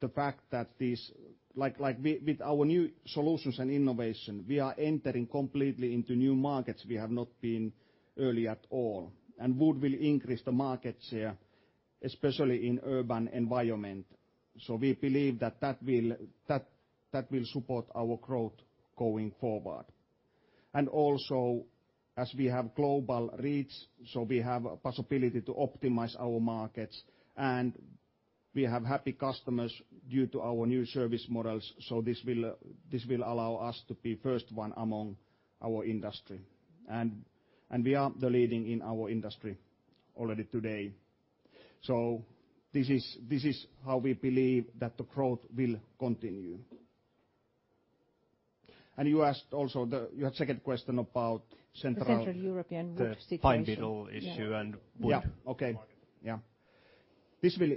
the fact that with our new solutions and innovation, we are entering completely into new markets we have not been earlier at all. Wood will increase the markets here, especially in urban environment. We believe that will support our growth going forward. Also, as we have global reach, we have a possibility to optimize our markets, and we have happy customers due to our new service models, this will allow us to be first one among our industry. We are the leading in our industry already today. This is how we believe that the growth will continue. You had second question about Central- The Central European wood situation. The pine beetle issue and wood- Yeah. Okay. to the market.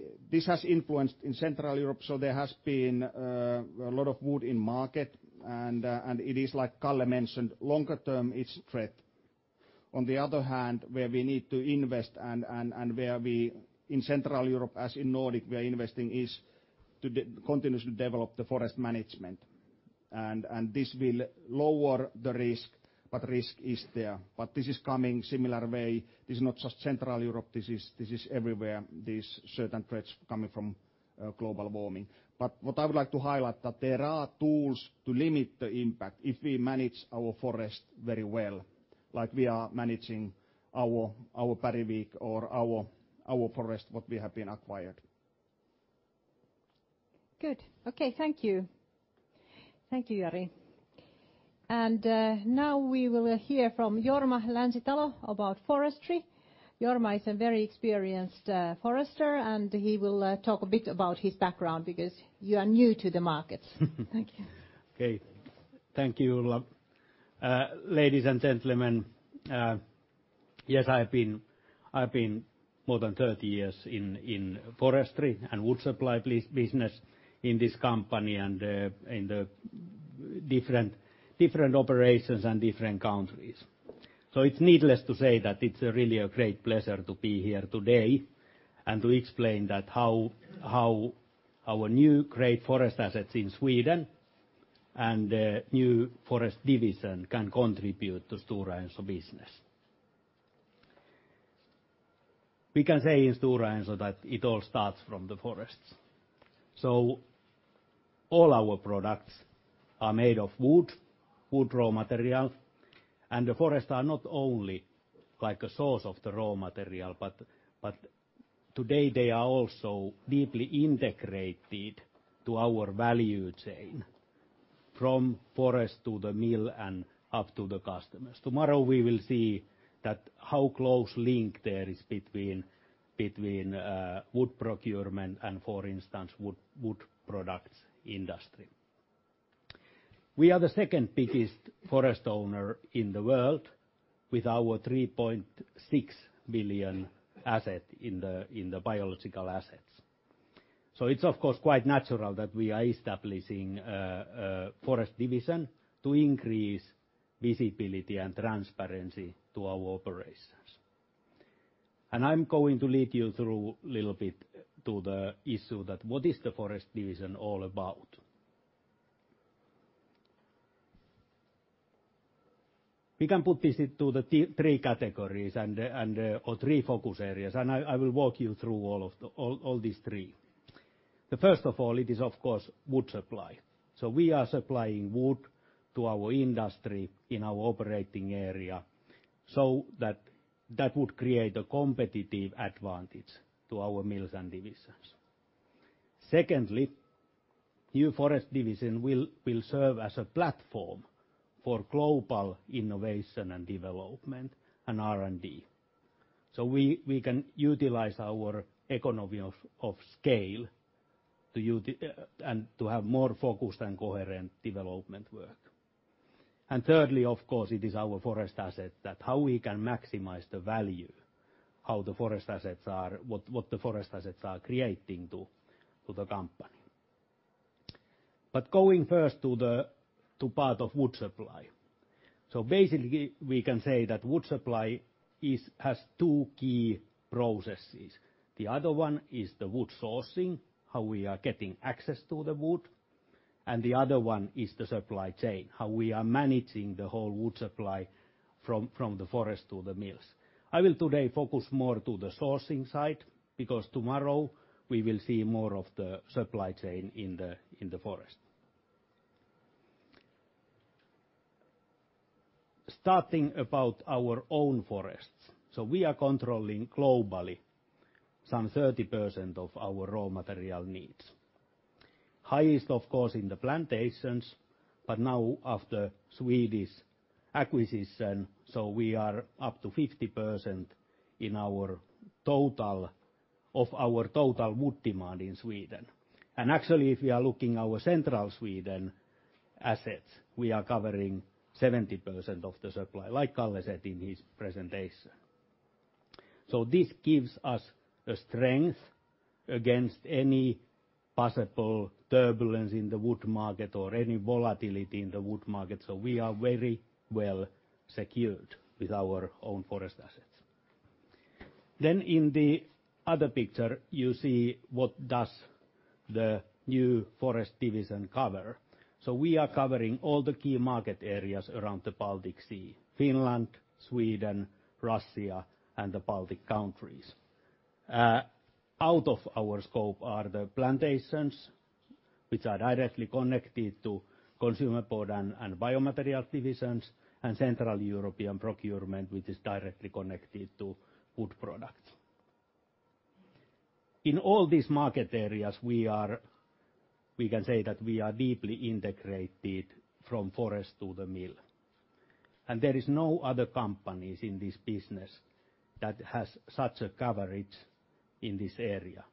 Yeah. This has influenced in Central Europe. There has been a lot of wood in market, and it is, like Kalle mentioned, longer term, it's threat. On the other hand, where we need to invest and where we, in Central Europe as in Nordic, we are investing is to continuously develop the forest management. This will lower the risk, but risk is there. This is coming similar way. This is not just Central Europe, this is everywhere, these certain threats coming from global warming. What I would like to highlight that there are tools to limit the impact if we manage our forest very well, like we are managing our Bergvik or our forest, what we have been acquired. Good. Okay. Thank you. Thank you, Jari. Now we will hear from Jorma Länsitalo about forestry. Jorma is a very experienced forester, and he will talk a bit about his background because you are new to the markets. Thank you. Okay. Thank you, Ulla. Ladies and gentlemen, yes, I've been more than 30 years in forestry and wood supply business in this company and in the different operations and different countries. It's needless to say that it's really a great pleasure to be here today and to explain that how our new great forest assets in Sweden and new forest division can contribute to Stora Enso business. We can say in Stora Enso that it all starts from the forests. All our products are made of wood raw material. The forest are not only like a source of the raw material, but today they are also deeply integrated to our value chain. From forest to the mill and up to the customers. Tomorrow we will see that how close link there is between wood procurement and, for instance, wood products industry. We are the second biggest forest owner in the world with our 3.6 billion asset in the biological assets. It's of course, quite natural that we are establishing a forest division to increase visibility and transparency to our operations. I'm going to lead you through little bit to the issue that what is the forest division all about. We can put this into the three categories or three focus areas, and I will walk you through all these three. The first of all, it is, of course, wood supply. We are supplying wood to our industry in our operating area so that would create a competitive advantage to our mills and divisions. Secondly, new forest division will serve as a platform for global innovation and development in R&D. We can utilize our economy of scale and to have more focused and coherent development work. Thirdly, of course, it is our forest asset that how we can maximize the value, what the forest assets are creating to the company. Going first to part of wood supply. Basically, we can say that wood supply has two key processes. The other one is the wood sourcing, how we are getting access to the wood, and the other one is the supply chain, how we are managing the whole wood supply from the forest to the mills. I will today focus more to the sourcing side because tomorrow we will see more of the supply chain in the forest. Starting about our own forests. We are controlling globally some 30% of our raw material needs. Highest, of course, in the plantations, but now after Swedish acquisition, so we are up to 50% of our total wood demand in Sweden. Actually, if we are looking our central Sweden assets, we are covering 70% of the supply, like Kalle said in his presentation. This gives us a strength against any possible turbulence in the wood market or any volatility in the wood market. We are very well secured with our own forest assets. In the other picture, you see what does the new forest division cover. We are covering all the key market areas around the Baltic Sea: Finland, Sweden, Russia, and the Baltic countries. Out of our scope are the plantations, which are directly connected to consumer board and Biomaterials divisions and Central European procurement, which is directly connected to Wood Products. In all these market areas, we can say that we are deeply integrated from forest to the mill. There is no other companies in this business that has such a coverage in this area.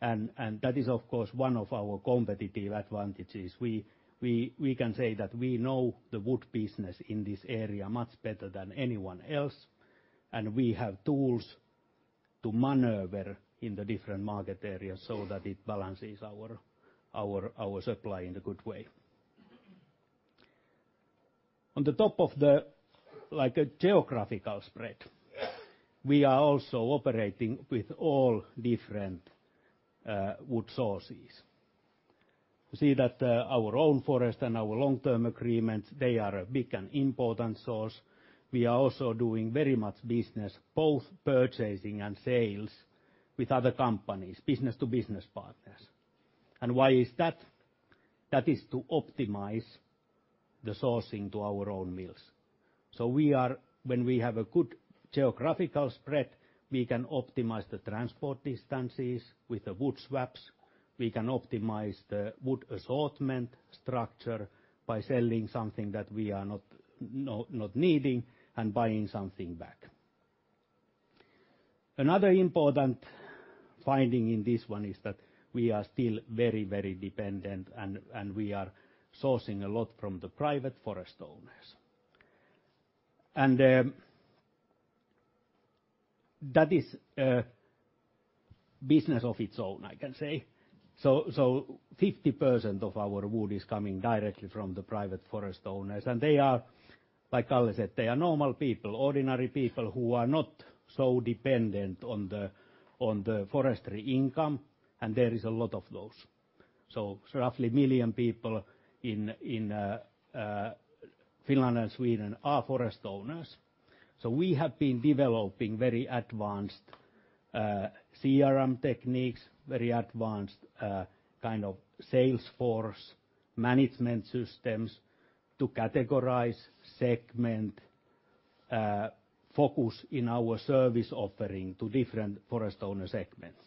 That is, of course, one of our competitive advantages. We can say that we know the wood business in this area much better than anyone else, and we have tools to maneuver in the different market areas so that it balances our supply in a good way. On the top of the geographical spread, we are also operating with all different wood sources. You see that our own forest and our long-term agreements, they are a big and important source. We are also doing very much business, both purchasing and sales, with other companies, business-to-business partners. Why is that? That is to optimize the sourcing to our own mills. When we have a good geographical spread, we can optimize the transport distances with the wood swaps, we can optimize the wood assortment structure by selling something that we are not needing and buying something back. Another important finding in this one is that we are still very dependent, and we are sourcing a lot from the private forest owners. That is a business of its own, I can say. 50% of our wood is coming directly from the private forest owners. They are, like Kalle said, they are normal people, ordinary people who are not so dependent on the forestry income, and there is a lot of those. Roughly 1 million people in Finland and Sweden are forest owners. We have been developing very advanced CRM techniques, very advanced kind of sales force management systems to categorize, segment, focus in our service offering to different forest owner segments.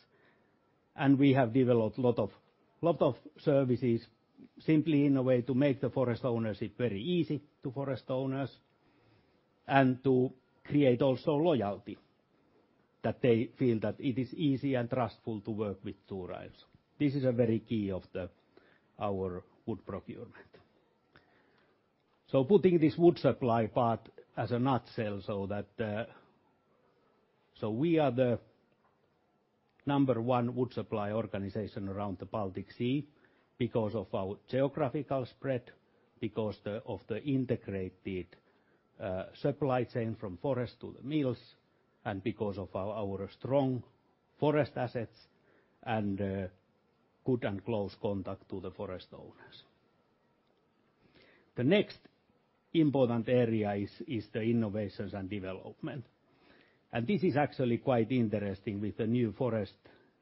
We have developed lot of services simply in a way to make the forest ownership very easy to forest owners and to create also loyalty, that they feel that it is easy and trustful to work with Stora Enso. This is a very key of our wood procurement. Putting this wood supply part as a nutshell, so we are the number one wood supply organization around the Baltic Sea because of our geographical spread, because of the integrated supply chain from forest to the mills, and because of our strong forest assets and good and close contact to the forest owners. The next important area is the innovations and development. This is actually quite interesting with the new forest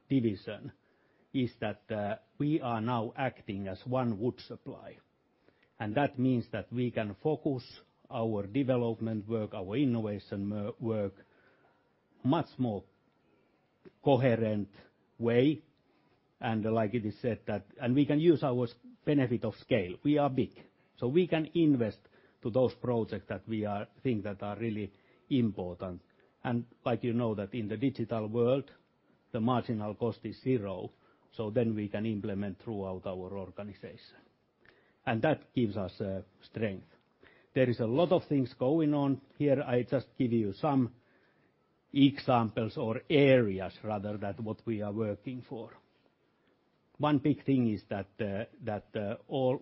division, is that we are now acting as one wood supply. That means that we can focus our development work, our innovation work much more coherent way. Like it is said that, we can use our benefit of scale. We are big, we can invest to those projects that we think that are really important. Like you know that in the digital world, the marginal cost is zero, we can implement throughout our organization. That gives us strength. There is a lot of things going on here. I just give you some examples or areas rather that what we are working for. One big thing is that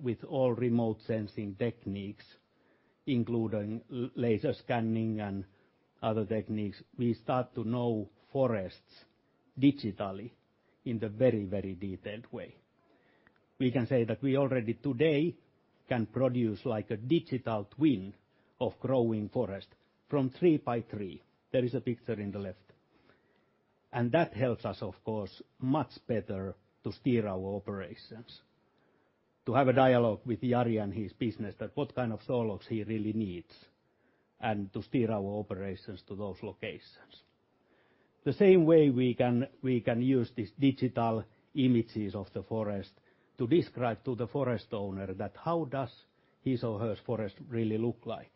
with all remote sensing techniques, including laser scanning and other techniques, we start to know forests digitally in the very detailed way. We can say that we already today can produce a digital twin of growing forest from three by three. There is a picture in the left. That helps us, of course, much better to steer our operations, to have a dialogue with Jari and his business that what kind of saw logs he really needs and to steer our operations to those locations. The same way we can use these digital images of the forest to describe to the forest owner that how does his or her forest really look like.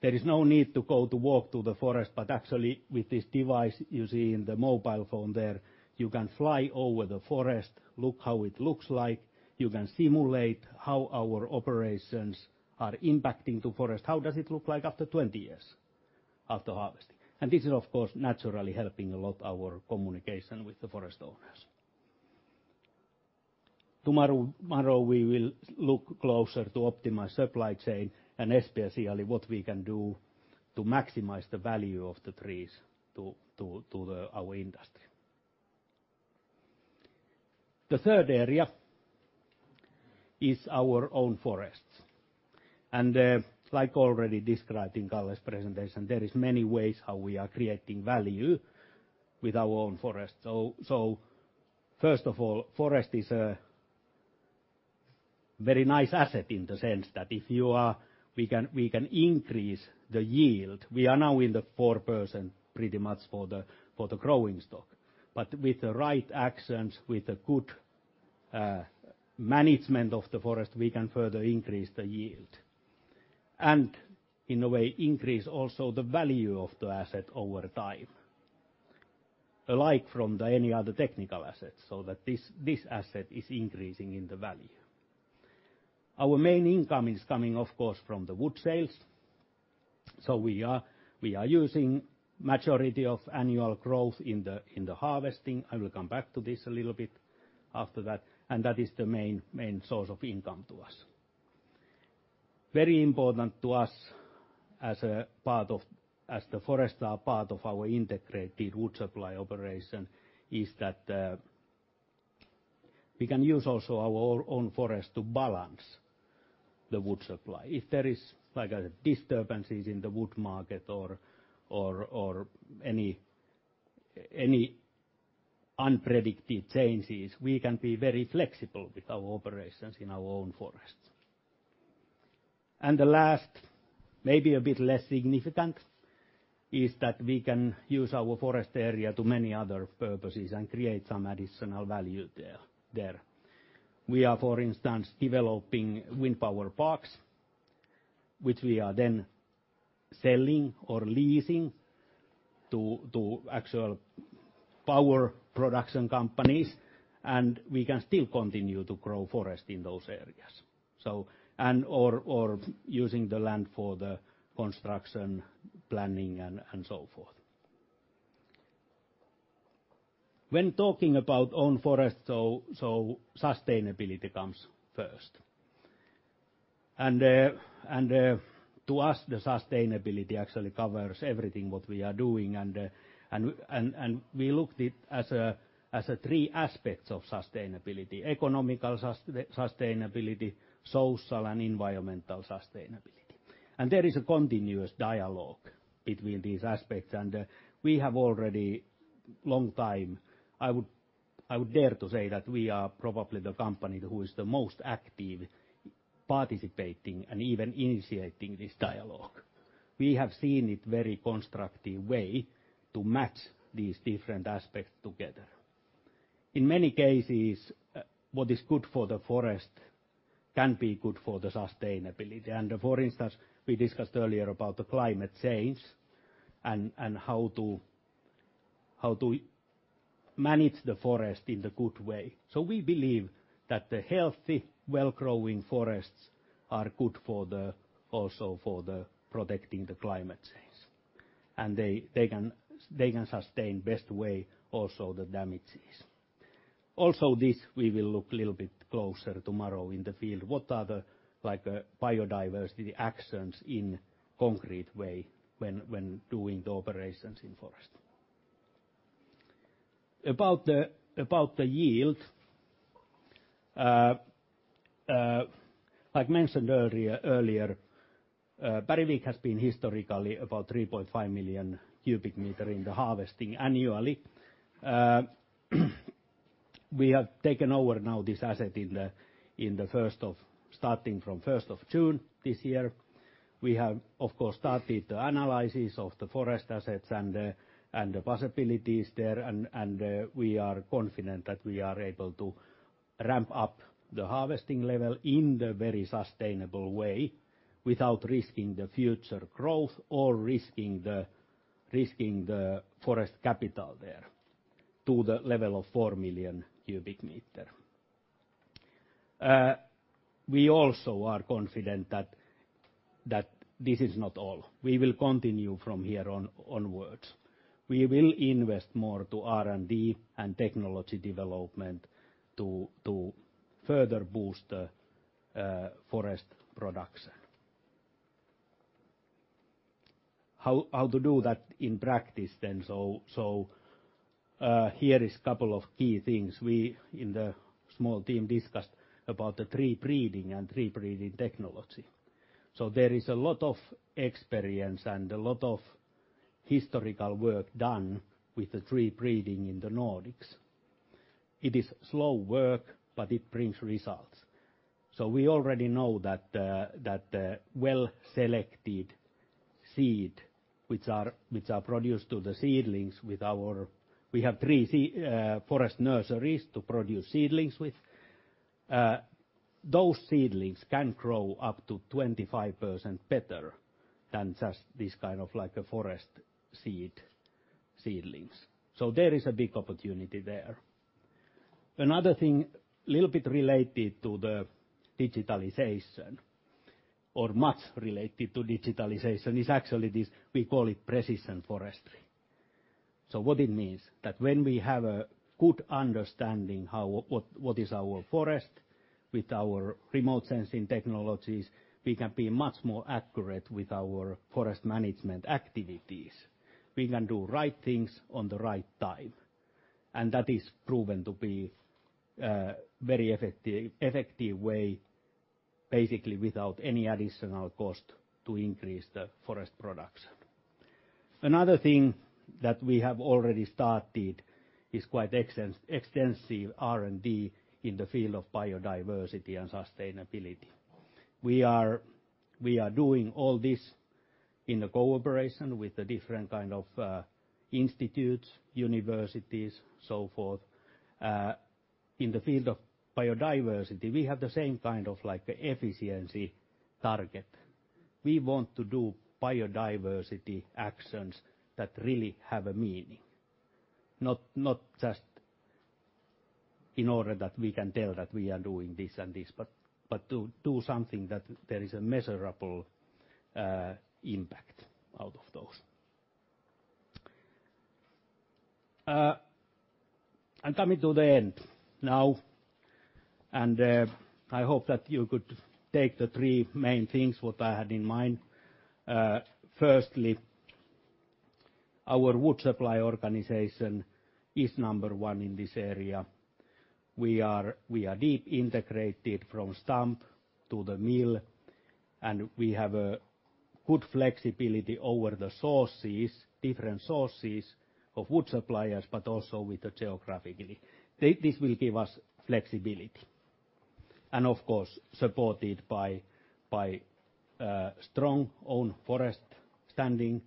There is no need to go to walk to the forest, but actually with this device you see in the mobile phone there, you can fly over the forest, look how it looks like. You can simulate how our operations are impacting to forest. How does it look like after 20 years after harvesting? This is, of course, naturally helping a lot our communication with the forest owners. Tomorrow, we will look closer to optimize supply chain and especially what we can do to maximize the value of the trees to our industry. The third area is our own forests. Like already described in Kalle's presentation, there is many ways how we are creating value with our own forest. First of all, forest is a very nice asset in the sense that if we can increase the yield. We are now in the 4% pretty much for the growing stock. With the right actions, with the good management of the forest, we can further increase the yield. In a way increase also the value of the asset over time, alike from any other technical assets, so that this asset is increasing in the value. Our main income is coming, of course, from the wood sales. We are using majority of annual growth in the harvesting. I will come back to this a little bit after that. That is the main source of income to us. Very important to us as the forests are part of our integrated wood supply operation is that we can use also our own forest to balance the wood supply. If there are disturbances in the wood market or any unpredicted changes, we can be very flexible with our operations in our own forests. The last, maybe a bit less significant, is that we can use our forest area to many other purposes and create some additional value there. We are, for instance, developing wind power parks, which we are then selling or leasing to actual power production companies, and we can still continue to grow forest in those areas. Using the land for the construction, planning, and so forth. When talking about own forests, sustainability comes first. To us, the sustainability actually covers everything what we are doing, and we looked it as 3 aspects of sustainability: economical sustainability, social and environmental sustainability. There is a continuous dialogue between these aspects, and we have already long time, I would dare to say that we are probably the company who is the most active participating and even initiating this dialogue. We have seen it very constructive way to match these different aspects together. In many cases, what is good for the forest can be good for the sustainability. For instance, we discussed earlier about the climate change and how to manage the forest in the good way. We believe that the healthy, well-growing forests are good also for the protecting the climate change. They can sustain best way also the damages. Also this, we will look little bit closer tomorrow in the field. What are the biodiversity actions in concrete way when doing the operations in forest? About the yield, I've mentioned earlier, Bergvik has been historically about 3.5 million cubic meter in the harvesting annually. We have taken over now this asset starting from 1st of June this year. We have, of course, started the analysis of the forest assets and the possibilities there, and we are confident that we are able to ramp up the harvesting level in the very sustainable way without risking the future growth or risking the forest capital there to the level of 4 million cubic meter. We also are confident that this is not all. We will continue from here onwards. We will invest more to R&D and technology development to further boost the forest production. How to do that in practice then, here is couple of key things. We, in the small team, discussed about the tree breeding and tree breeding technology. There is a lot of experience and a lot of historical work done with the tree breeding in the Nordics. It is slow work, but it brings results. We already know that well-selected seed. We have three forest nurseries to produce seedlings with. Those seedlings can grow up to 25% better than just this kind of forest seedlings. There is a big opportunity there. Another thing, little bit related to the digitalization or much related to digitalization, is actually this, we call it precision forestry. What it means, that when we have a good understanding what is our forest with our remote sensing technologies, we can be much more accurate with our forest management activities. That is proven to be very effective way, basically without any additional cost to increase the forest production. Another thing that we have already started is quite extensive R&D in the field of biodiversity and sustainability. We are doing all this in a cooperation with the different kind of institutes, universities, so forth. In the field of biodiversity, we have the same kind of efficiency target. We want to do biodiversity actions that really have a meaning, not just in order that we can tell that we are doing this and this, but to do something that there is a measurable impact out of those. I'm coming to the end now. I hope that you could take the three main things what I had in mind. Firstly, our wood supply organization is number 1 in this area. We are deep integrated from stump to the mill. We have a good flexibility over the different sources of wood suppliers, but also with the geographically. This will give us flexibility. Of course, supported by strong own standing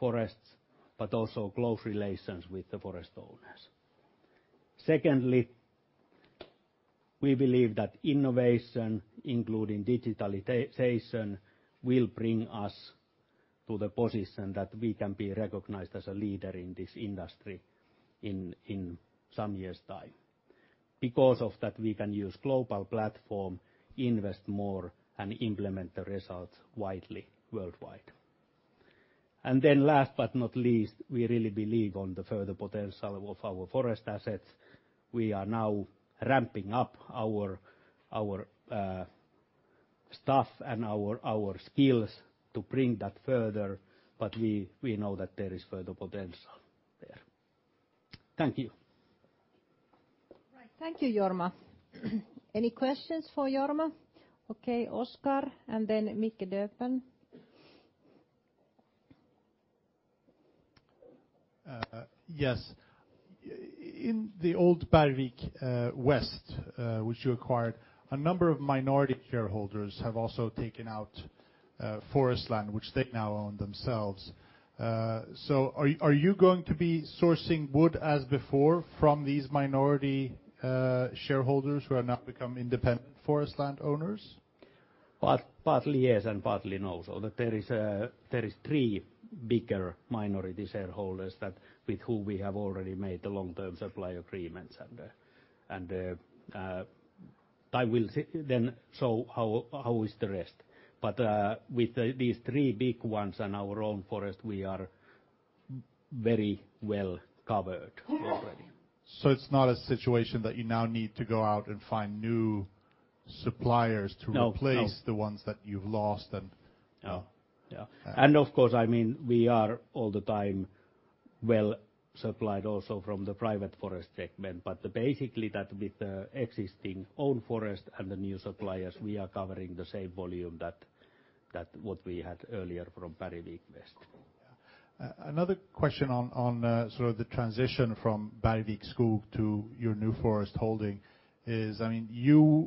forests, but also close relations with the forest owners. Secondly, we believe that innovation, including digitalization, will bring us to the position that we can be recognized as a leader in this industry in some years' time. Because of that, we can use global platform, invest more, and implement the results widely worldwide. Last but not least, we really believe on the further potential of our forest assets. We are now ramping up our staff and our skills to bring that further, but we know that there is further potential there. Thank you. Right. Thank you, Jorma. Any questions for Jorma? Okay, Oskar, and then Mikael Doepel. Yes. In the old Bergvik Väst which you acquired, a number of minority shareholders have also taken out forest land which they now own themselves. Are you going to be sourcing wood as before from these minority shareholders who have now become independent forest landowners? Partly yes and partly no. That there is three bigger minority shareholders that with whom we have already made the long-term supply agreements and time will then show how is the rest. With these three big ones and our own forest, we are very well-covered already. It's not a situation that you now need to go out and find new suppliers to replace. No the ones that you've lost then? No. Yeah. Of course, we are all the time well supplied also from the private forest segment, but basically that with the existing own forest and the new suppliers, we are covering the same volume that what we had earlier from Bergvik Väst. Yeah. Another question on sort of the transition from Bergvik Skog to your new forest holding is, Stora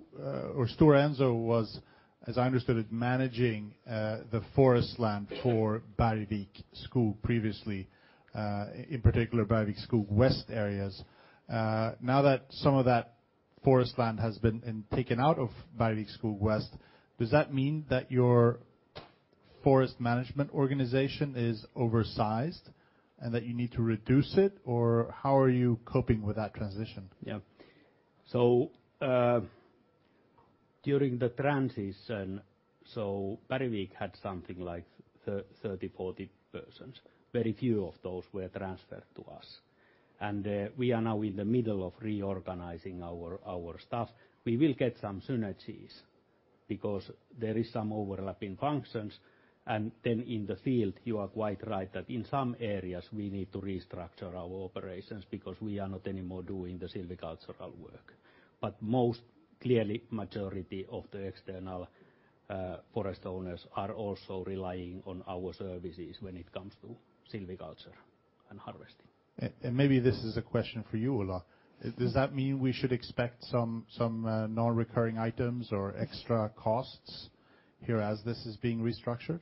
Enso was, as I understood it, managing the forest land for Bergvik Skog previously, in particular Bergvik Skog Väst areas. Now that some of that forest land has been taken out of Bergvik Skog Väst, does that mean that your forest management organization is oversized and that you need to reduce it? How are you coping with that transition? Yeah. During the transition, Bergvik had something like 30, 40 persons. Very few of those were transferred to us. We are now in the middle of reorganizing our staff. We will get some synergies because there is some overlap in functions. In the field, you are quite right that in some areas, we need to restructure our operations because we are not anymore doing the silvicultural work. Most clearly, majority of the external forest owners are also relying on our services when it comes to silviculture and harvesting. Maybe this is a question for you, Ulla. Does that mean we should expect some non-recurring items or extra costs here as this is being restructured?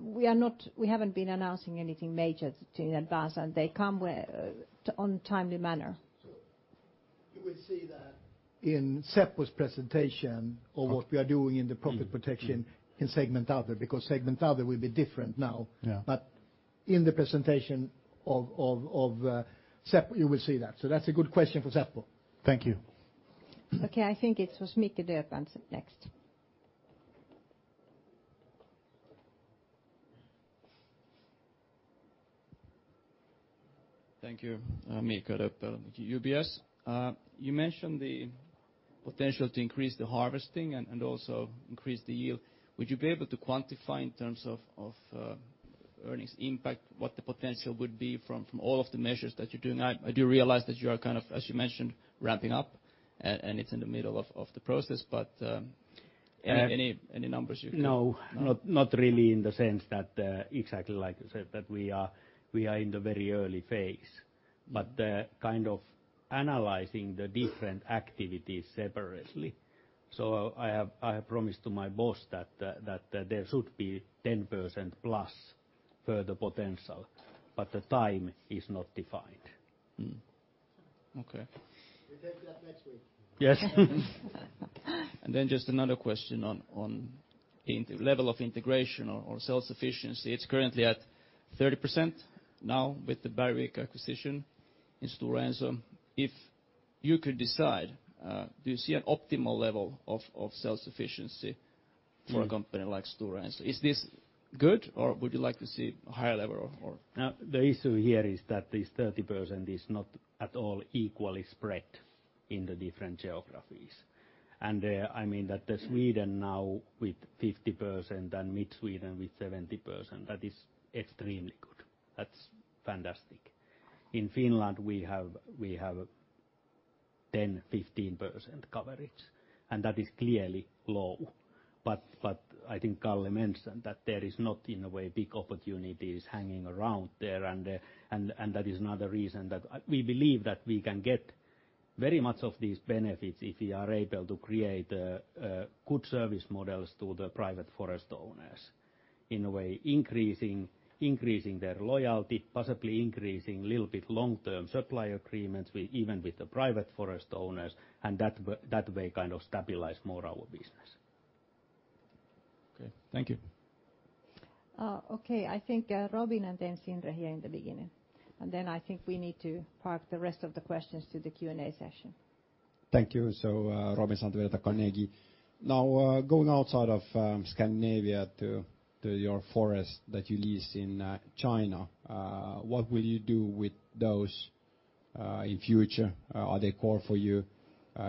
We haven't been announcing anything major in advance. They come on timely manner. You will see that in Seppo's presentation of what we are doing in the profit protection in segment other, because segment other will be different now. Yeah. In the presentation of Seppo, you will see that. That's a good question for Seppo. Thank you. Okay, I think it was Mikael Doepel next. Thank you. Mikael Doepel, UBS. You mentioned the potential to increase the harvesting and also increase the yield. Would you be able to quantify in terms of earnings impact, what the potential would be from all of the measures that you're doing? I do realize that you are kind of, as you mentioned, ramping up and it's in the middle of the process, but any numbers you can- No, not really in the sense that, exactly like I said, that we are in the very early phase. Kind of analyzing the different activities separately. I have promised to my boss that there should be 10% plus further potential, but the time is not defined. Okay. We take that next week. Yes. Just another question on the level of integration or self-sufficiency, it's currently at 30% now with the Bergvik acquisition in Stora Enso. If you could decide, do you see an optimal level of self-sufficiency for a company like Stora Enso? Is this good, or would you like to see a higher level? No, the issue here is that this 30% is not at all equally spread in the different geographies. I mean that Sweden now with 50% and mid Sweden with 70%, that is extremely good. That's fantastic. In Finland, we have 10%-15% coverage, and that is clearly low. I think Kalle mentioned that there is not in a way big opportunities hanging around there, and that is another reason that we believe that we can get very much of these benefits if we are able to create good service models to the private forest owners, in a way increasing their loyalty, possibly increasing little bit long-term supply agreements even with the private forest owners, and that way kind of stabilize more our business. Okay. Thank you. Okay, I think Robin and then Sindre here in the beginning. Then I think we need to park the rest of the questions to the Q&A session. Thank you. Robin Santavirta at Carnegie. Going outside of Scandinavia to your forest that you lease in China, what will you do with those in future? Are they core for you?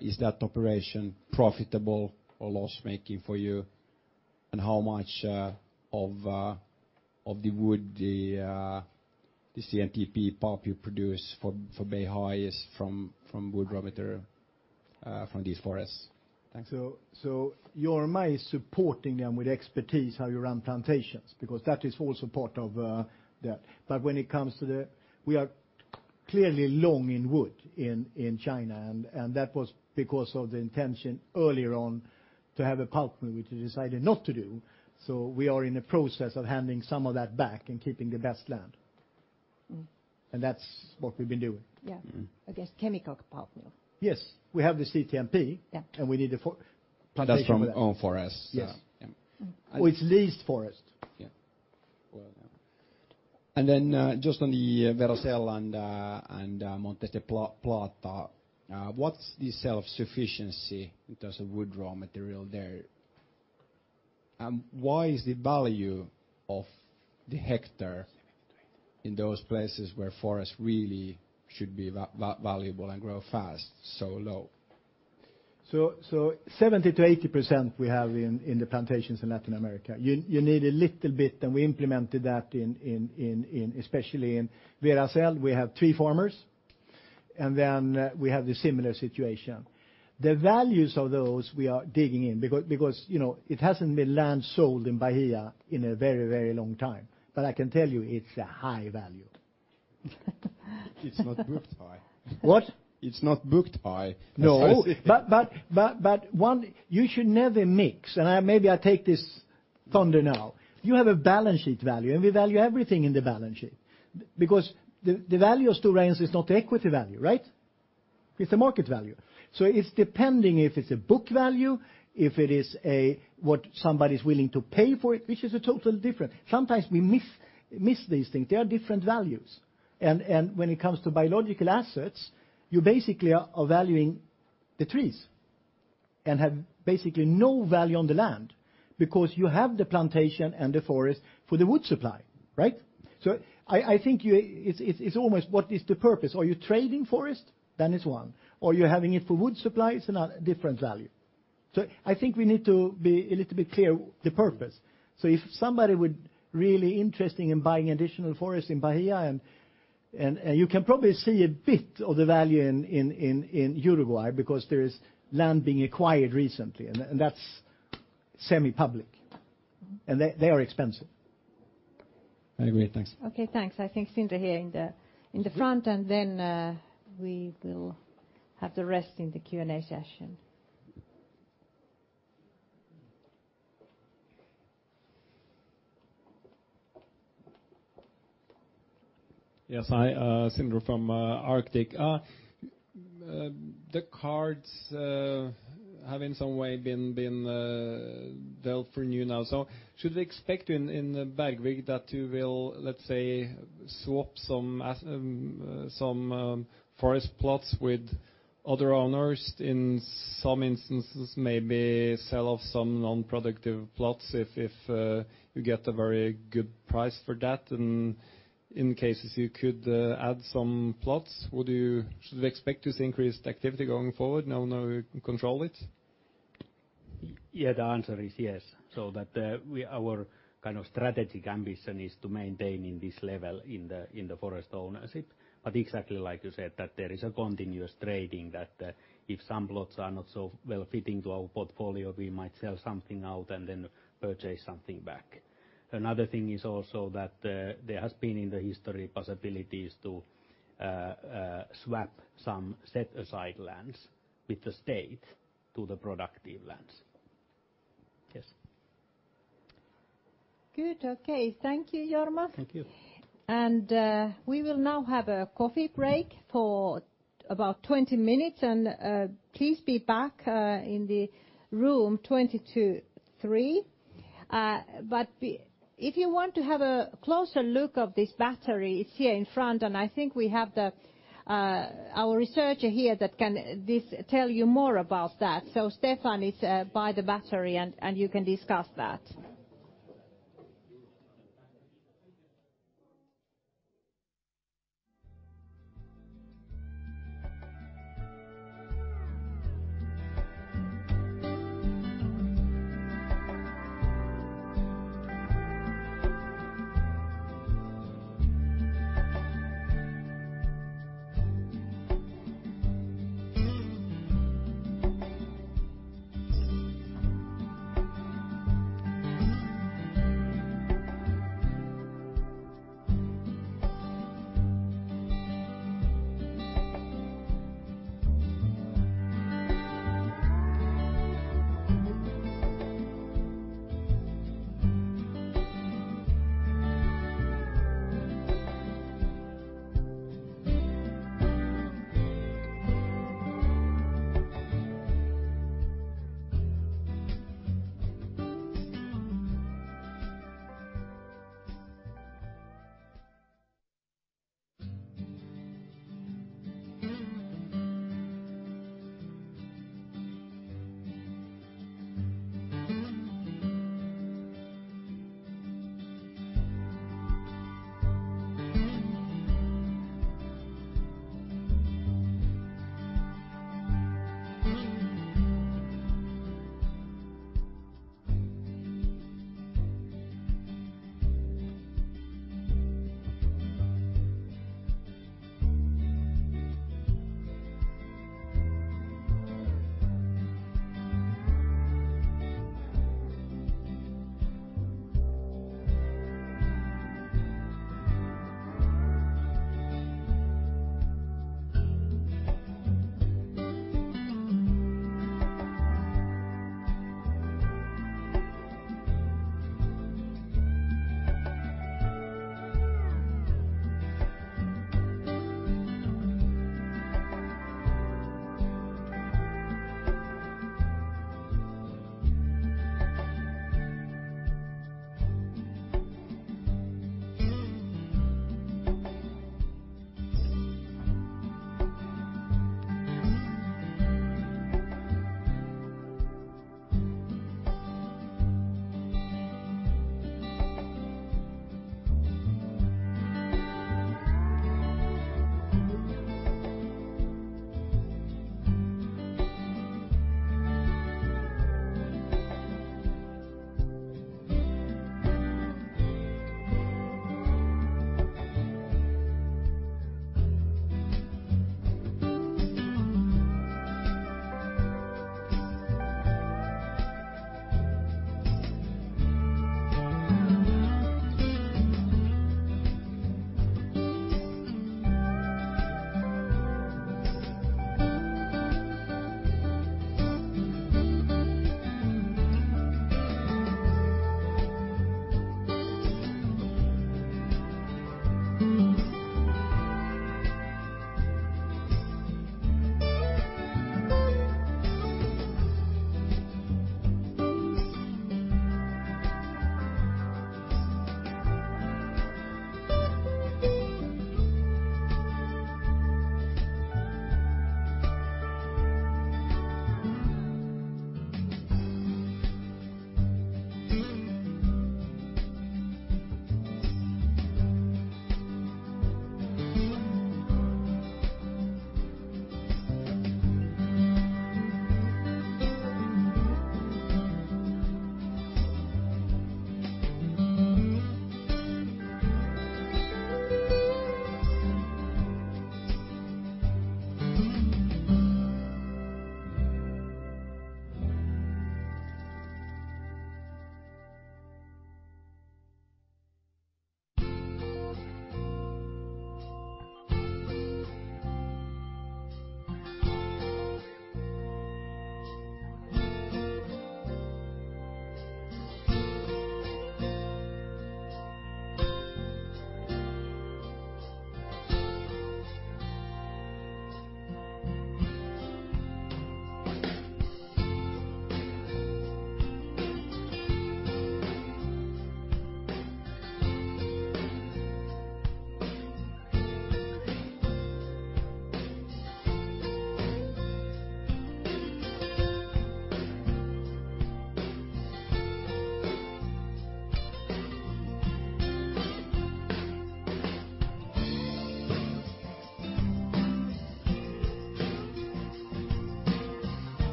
Is that operation profitable or loss-making for you? How much of the wood the CTMP pulp you produce for Beihai is from wood raw material from these forests? Thanks. Jorma is supporting them with expertise how you run plantations, because that is also part of that. When it comes to the We are clearly long in wood in China, and that was because of the intention earlier on to have a pulp mill, which we decided not to do. We are in a process of handing some of that back and keeping the best land. That's what we've been doing. Yeah. I guess chemical pulp mill. Yes. We have the CTMP. Yeah. We need the plantation. That's from own forests, yeah. Yes. Yeah. Which leased forest. Yeah. Well done. Then, just on the Veracel and Montes del Plata, what's the self-sufficiency in terms of wood raw material there? Why is the value of the hectare in those places where forests really should be valuable and grow fast so low? 70%-80% we have in the plantations in Latin America. You need a little bit, and we implemented that especially in Veracel, we have tree farmers, and we have the similar situation. The values of those we are digging in because it hasn't been land sold in Bahia in a very long time. I can tell you, it's a high value. It's not booked high. What? It's not booked high. No. That's why I say. One, you should never mix, and maybe I take this thunder now. You have a balance sheet value, and we value everything in the balance sheet because the value of Stora Enso is not equity value, right? It's a market value. It's depending if it's a book value, if it is a what somebody's willing to pay for it, which is a total different. Sometimes we miss these things. They are different values. When it comes to biological assets, you basically are valuing the trees, and have basically no value on the land because you have the plantation and the forest for the wood supply, right? I think it's almost what is the purpose. Are you trading forest? It's one. You're having it for wood supply, it's different value. I think we need to be a little bit clear the purpose. If somebody would really interested in buying additional forest in Bahia, and you can probably see a bit of the value in Uruguay because there is land being acquired recently, and that's semi-public. They are expensive. Very great. Thanks. Okay, thanks. I think Sindre here in the front, and then we will have the rest in the Q&A session. Yes. Hi, Sindre from Arctic. The cards have in some way been dealt for you now. Should we expect in Bergvik that you will, let's say, swap some forest plots with other owners, in some instances, maybe sell off some non-productive plots if you get a very good price for that? In cases you could add some plots, should we expect to see increased activity going forward now you control it? Yeah, the answer is yes. That our kind of strategic ambition is to maintain in this level in the forest ownership. Exactly like you said, that there is a continuous trading that if some plots are not so well fitting to our portfolio, we might sell something out and then purchase something back. Another thing is also that there has been in the history possibilities to swap some set-aside lands with the state to the productive lands. Yes. Good. Okay. Thank you, Jorma. Thank you. We will now have a coffee break for about 20 minutes. Please be back in room 223. If you want to have a closer look at this battery, it's here in front, and I think we have our researcher here that can tell you more about that. Stefan is by the battery, and you can discuss that.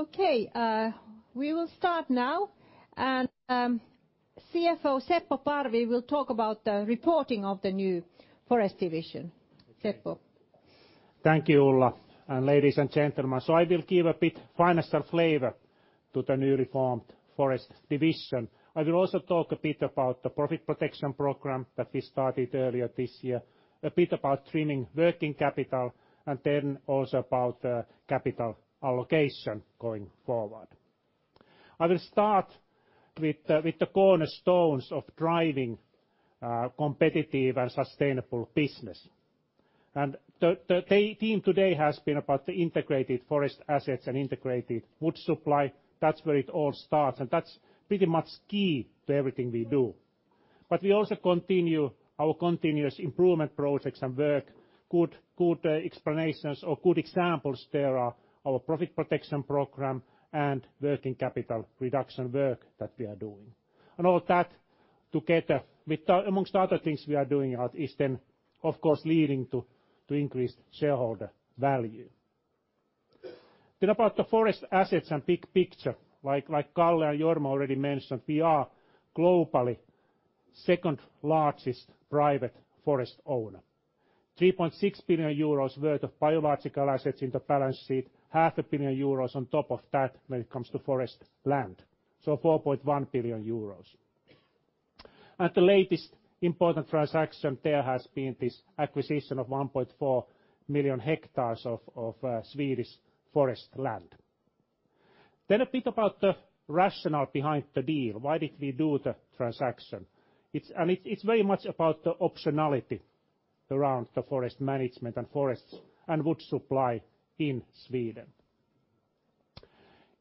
Okay. We will start now. CFO Seppo Parvi will talk about the reporting of the new forest division. Seppo. Thank you, Ulla, and ladies and gentlemen. I will give a bit financial flavor to the newly formed forest division. I will also talk a bit about the profit protection program that we started earlier this year, a bit about trimming working capital, and then also about the capital allocation going forward. I will start with the cornerstones of driving competitive and sustainable business. The theme today has been about the integrated forest assets and integrated wood supply. That's where it all starts, and that's pretty much key to everything we do. We also continue our continuous improvement projects and work, good explanations or good examples there are our profit protection program and working capital reduction work that we are doing. All that together amongst other things we are doing is then, of course, leading to increased shareholder value. About the forest assets and big picture, like Kalle and Jorma already mentioned, we are globally second largest private forest owner, 3.6 billion euros worth of biological assets in the balance sheet, half a billion EUR on top of that when it comes to forest land. 4.1 billion euros. The latest important transaction there has been this acquisition of 1.4 million hectares of Swedish forest land. A bit about the rationale behind the deal. Why did we do the transaction? It's very much about the optionality around the forest management and forests and wood supply in Sweden.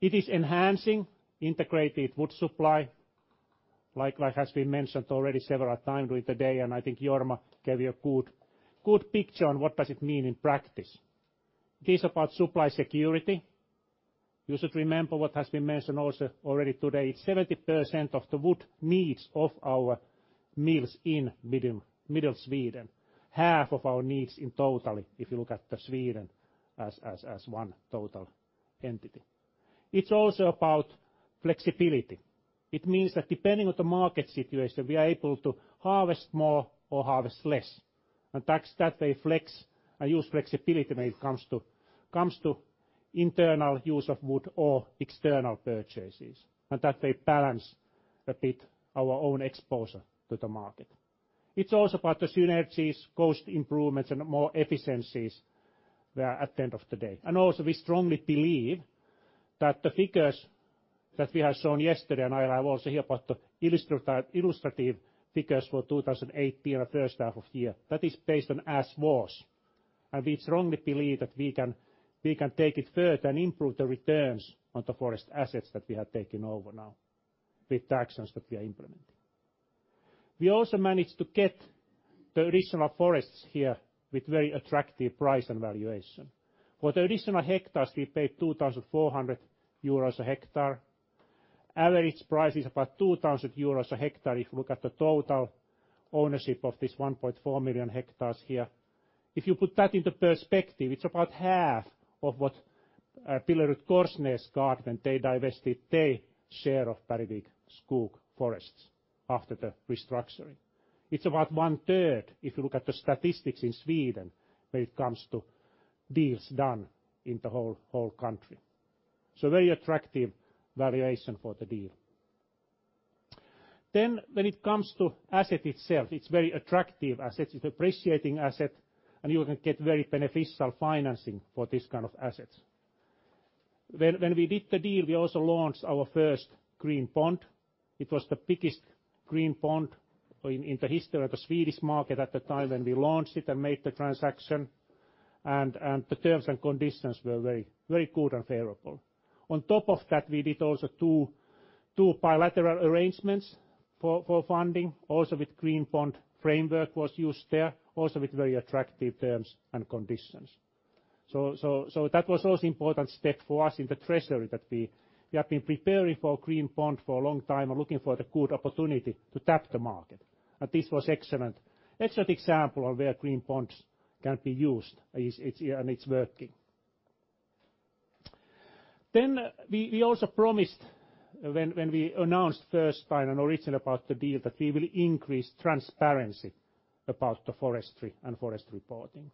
It is enhancing integrated wood supply like has been mentioned already several times during the day, and I think Jorma gave you a good picture on what does it mean in practice. It is about supply security. You should remember what has been mentioned also already today, 70% of the wood needs of our mills in Middle Sweden, half of our needs in totally, if you look at Sweden as one total entity. It is also about flexibility. It means that depending on the market situation, we are able to harvest more or harvest less, and that way flex and use flexibility when it comes to internal use of wood or external purchases, and that they balance a bit our own exposure to the market. It is also about the synergies, cost improvements, and more efficiencies there at the end of the day. Also we strongly believe that the figures that we have shown yesterday, and I have also here about the illustrative figures for 2018 in the first half of the year, that is based on as was. We strongly believe that we can take it further and improve the returns on the forest assets that we have taken over now with the actions that we are implementing. We also managed to get the additional forests here with very attractive price and valuation. For the additional hectares, we paid 2,400 euros a hectare. Average price is about 2,000 euros a hectare if you look at the total ownership of this 1.4 million hectares here. If you put that into perspective, it's about half of what BillerudKorsnäs got when they divested their share of Bergvik Skog forests after the restructuring. It's about one-third if you look at the statistics in Sweden when it comes to deals done in the whole country. Very attractive valuation for the deal. When it comes to asset itself, it's very attractive asset, it's appreciating asset, and you can get very beneficial financing for this kind of assets. When we did the deal, we also launched our first green bond. It was the biggest green bond in the history of the Swedish market at the time when we launched it and made the transaction. The terms and conditions were very good and favorable. On top of that, we did also two bilateral arrangements for funding, also with green bond framework was used there, also with very attractive terms and conditions. That was also important step for us in the treasury, that we have been preparing for green bond for a long time and looking for the good opportunity to tap the market. This was excellent example of where green bonds can be used, and it's working. We also promised when we announced first time and original about the deal, that we will increase transparency about the forestry and forest reporting.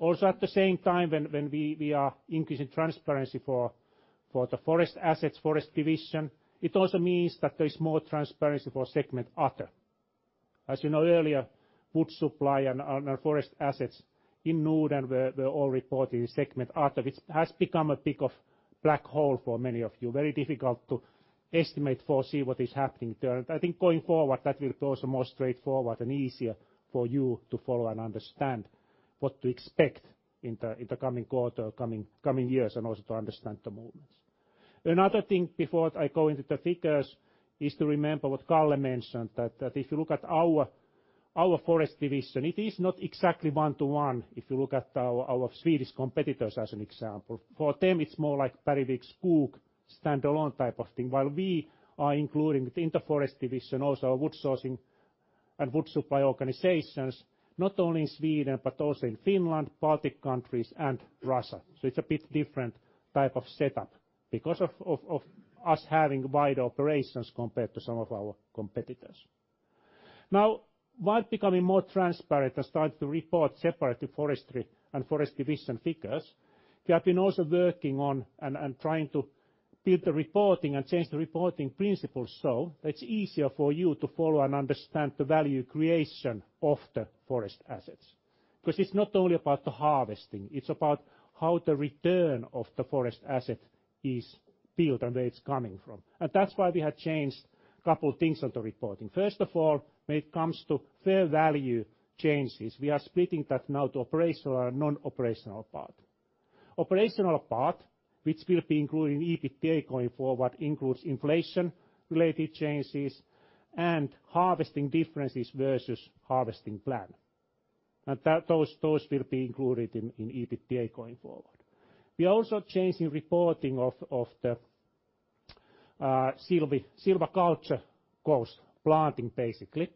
At the same time when we are increasing transparency for the forest assets, forest division, it also means that there is more transparency for segment other. As you know earlier, wood supply and forest assets in Norden were all reported in segment other, which has become a bit of black hole for many of you. Very difficult to estimate, foresee what is happening there. I think going forward, that will be also more straightforward and easier for you to follow and understand what to expect in the coming quarter, coming years, and also to understand the movements. Another thing before I go into the figures is to remember what Kalle mentioned, that if you look at our forest division, it is not exactly one-to-one if you look at our Swedish competitors as an example. For them, it's more like Bergvik Skog standalone type of thing, while we are including in the forest division also our wood sourcing and wood supply organizations, not only in Sweden but also in Finland, Baltic countries and Russia. It's a bit different type of setup because of us having wide operations compared to some of our competitors. Now, while becoming more transparent and starting to report separate forestry and forest division figures, we have been also working on and trying to build the reporting and change the reporting principles so that it's easier for you to follow and understand the value creation of the forest assets. It's not only about the harvesting, it's about how the return of the forest asset is built and where it's coming from. That's why we have changed couple things on the reporting. First of all, when it comes to fair value changes, we are splitting that now to operational and non-operational part. Operational part, which will be included in EBITDA going forward, includes inflation-related changes and harvesting differences versus harvesting plan. Those will be included in EBITDA going forward. We are also changing reporting of the silviculture cost, planting basically,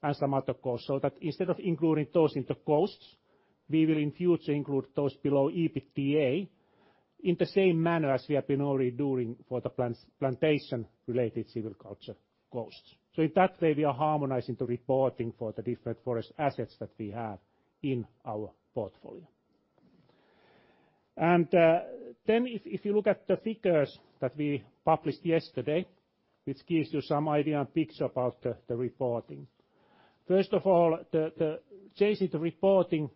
and some other costs, so that instead of including those in the costs, we will in future include those below EBITDA in the same manner as we have been already doing for the plantation-related silviculture costs. In that way, we are harmonizing the reporting for the different forest assets that we have in our portfolio. If you look at the figures that we published yesterday, which gives you some idea and picture about the reporting. First of all, the change in the reporting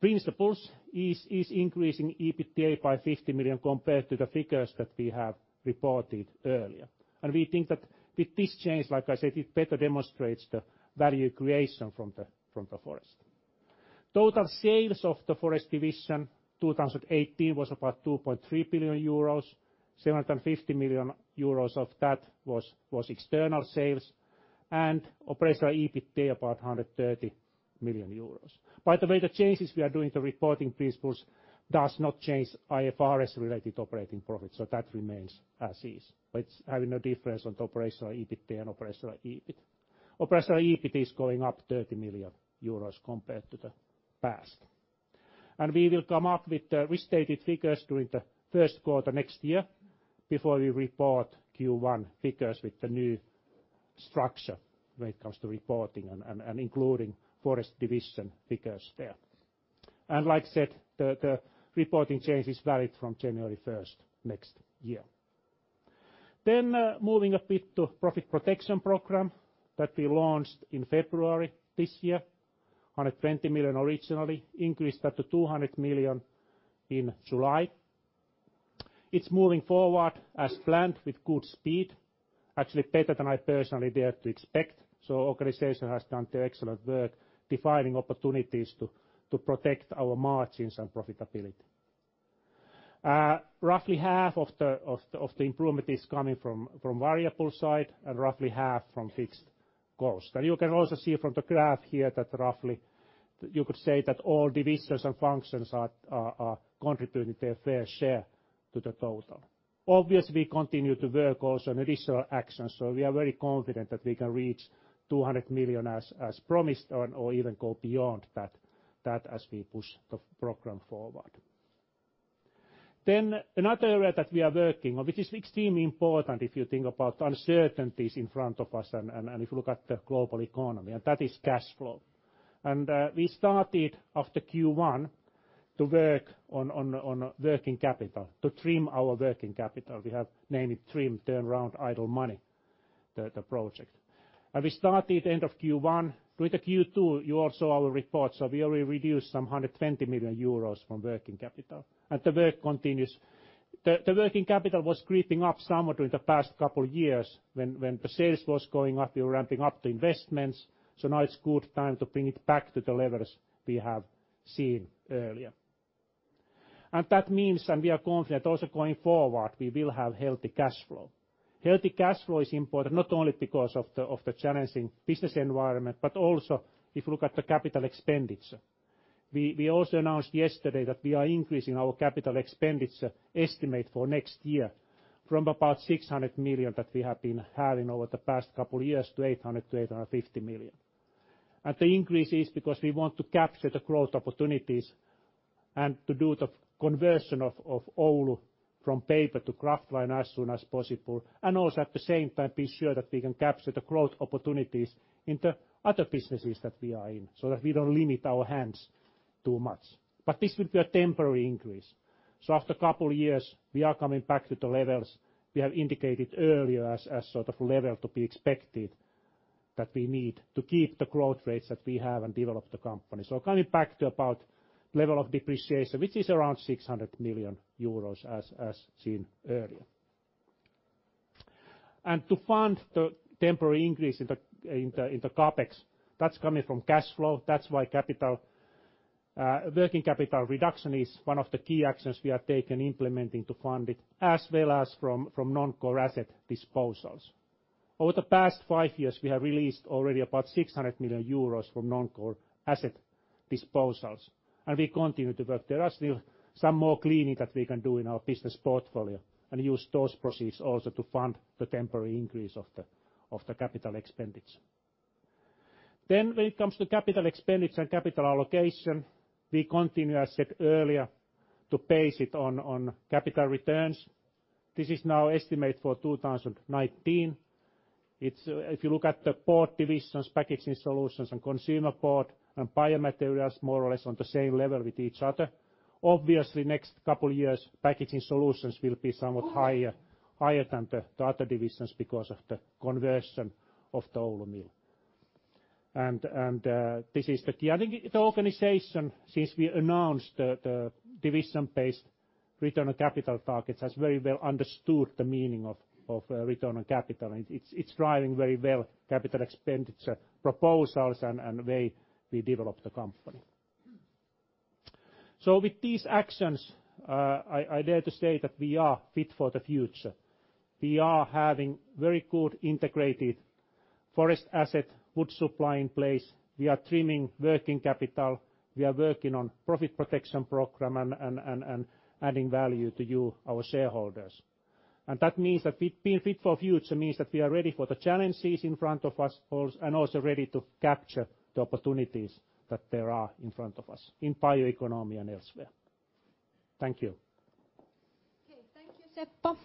principles is increasing EBITDA by 50 million compared to the figures that we have reported earlier. We think that with this change, like I said, it better demonstrates the value creation from the forest. Total sales of the forest division 2018 was about 2.3 billion euros, 750 million euros of that was external sales and operational EBITDA about 130 million euros. By the way, the changes we are doing to reporting principles does not change IFRS-related operating profit, so that remains as is. It's having no difference on the operational EBITDA and operational EBIT. Operational EBIT is going up 30 million euros compared to the past. We will come up with the restated figures during the first quarter next year before we report Q1 figures with the new structure when it comes to reporting and including forest division figures there. Like I said, the reporting change is valid from January 1st next year. Moving a bit to profit protection program that we launched in February this year, 120 million originally, increased that to 200 million in July. It's moving forward as planned with good speed, actually better than I personally dared to expect. Organization has done excellent work defining opportunities to protect our margins and profitability. Roughly half of the improvement is coming from variable side and roughly half from fixed cost. You can also see from the graph here that roughly you could say that all divisions and functions are contributing their fair share to the total. We continue to work also on additional actions, so we are very confident that we can reach 200 million as promised or even go beyond that as we push the program forward. Another area that we are working on, which is extremely important if you think about uncertainties in front of us and if you look at the global economy, and that is cash flow. We started after Q1 to work on working capital, to trim our working capital. We have named it TRIM, Turn Around Idle Money, the project. We started end of Q1. Through the Q2, you all saw our report. We already reduced some 120 million euros from working capital, and the work continues. The working capital was creeping up somewhat during the past couple of years when the sales was going up, we were ramping up the investments. Now it's good time to bring it back to the levels we have seen earlier. That means that we are confident also going forward, we will have healthy cash flow. Healthy cash flow is important not only because of the challenging business environment, but also if you look at the capital expenditure. We also announced yesterday that we are increasing our capital expenditure estimate for next year from about 600 million that we have been having over the past couple of years to 800 million-850 million. The increase is because we want to capture the growth opportunities and to do the conversion of Oulu from paper to kraftliner as soon as possible. Also at the same time, be sure that we can capture the growth opportunities in the other businesses that we are in, so that we don't limit our hands too much. This will be a temporary increase. After a couple years, we are coming back to the levels we have indicated earlier as sort of level to be expected that we need to keep the growth rates that we have and develop the company. Coming back to about level of depreciation, which is around 600 million euros as seen earlier. To fund the temporary increase in the CapEx, that's coming from cash flow. That's why working capital reduction is one of the key actions we have taken implementing to fund it, as well as from non-core asset disposals. Over the past five years, we have released already about 600 million euros from non-core asset disposals, and we continue to work. There are still some more cleaning that we can do in our business portfolio and use those proceeds also to fund the temporary increase of the capital expenditure. When it comes to capital expenditure and capital allocation, we continue, as said earlier, to base it on capital returns. This is now estimate for 2019. If you look at the board divisions, Packaging Solutions and consumer board and Biomaterials, more or less on the same level with each other. Obviously, next couple of years, Packaging Solutions will be somewhat higher than the other divisions because of the conversion of the Oulu mill. The organization, since we announced the division-based return on capital targets, has very well understood the meaning of return on capital. It's driving very well capital expenditure proposals and way we develop the company. With these actions, I dare to say that we are fit for the future. We are having very good integrated forest asset wood supply in place. We are trimming working capital. We are working on profit protection program and adding value to you, our shareholders. Being fit for future means that we are ready for the challenges in front of us and also ready to capture the opportunities that there are in front of us, in bioeconomy and elsewhere. Thank you. Okay, thank you,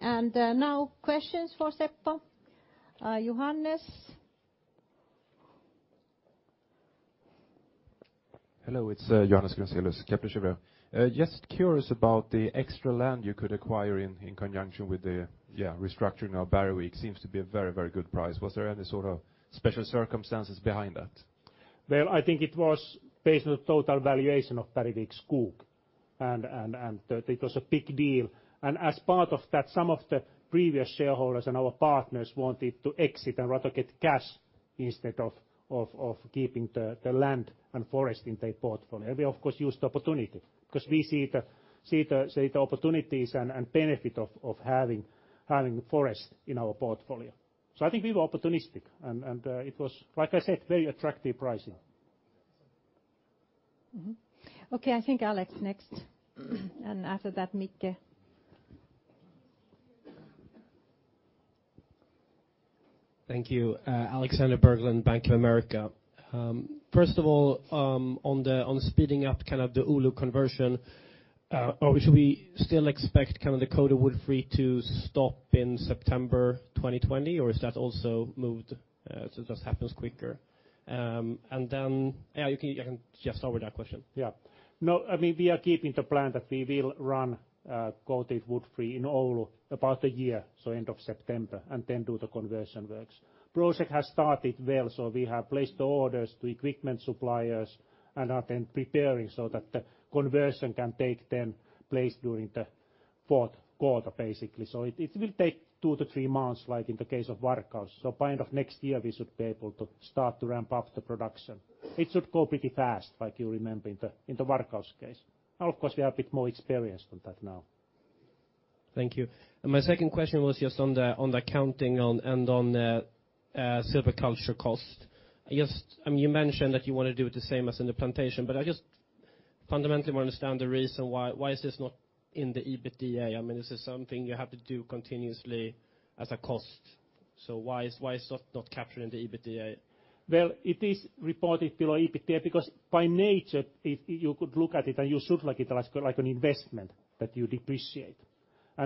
Seppo. Now questions for Seppo. Johannes? Hello, it's Johannes Grunselius, Kepler Cheuvreux. Just curious about the extra land you could acquire in conjunction with the restructuring of Bergvik. Seems to be a very good price. Was there any sort of special circumstances behind that? Well, I think it was based on the total valuation of Bergvik Skog, and it was a big deal. As part of that, some of the previous shareholders and our partners wanted to exit and rather get cash instead of keeping the land and forest in their portfolio. We of course used the opportunity because we see the opportunities and benefit of having forest in our portfolio. I think we were opportunistic, and it was, like I said, very attractive pricing. Mm-hmm. Okay. I think Alex next, and after that, Micke. Thank you. Alexander Berglund, Bank of America. First of all, on the speeding up kind of the Oulu conversion, should we still expect kind of the coated wood-free to stop in September 2020? Or is that also moved, so it just happens quicker? You can just start with that question. Yeah. No, we are keeping the plan that we will run coated wood-free in Oulu about one year, so end of September, and then do the conversion works. Project has started well, so we have placed the orders to equipment suppliers and are then preparing so that the conversion can take then place during the fourth quarter, basically. It will take two to three months, like in the case of Varkaus. By end of next year, we should be able to start to ramp up the production. It should go pretty fast, like you remember in the Varkaus case. Of course, we are a bit more experienced on that now. Thank you. My second question was just on the accounting and on the silviculture cost. You mentioned that you want to do it the same as in the plantation, I just fundamentally want to understand the reason why is this not in the EBITDA? This is something you have to do continuously as a cost. Why is that not captured in the EBITDA? Well, it is reported below EBITDA because by nature, you could look at it and you treat like it as like an investment that you depreciate.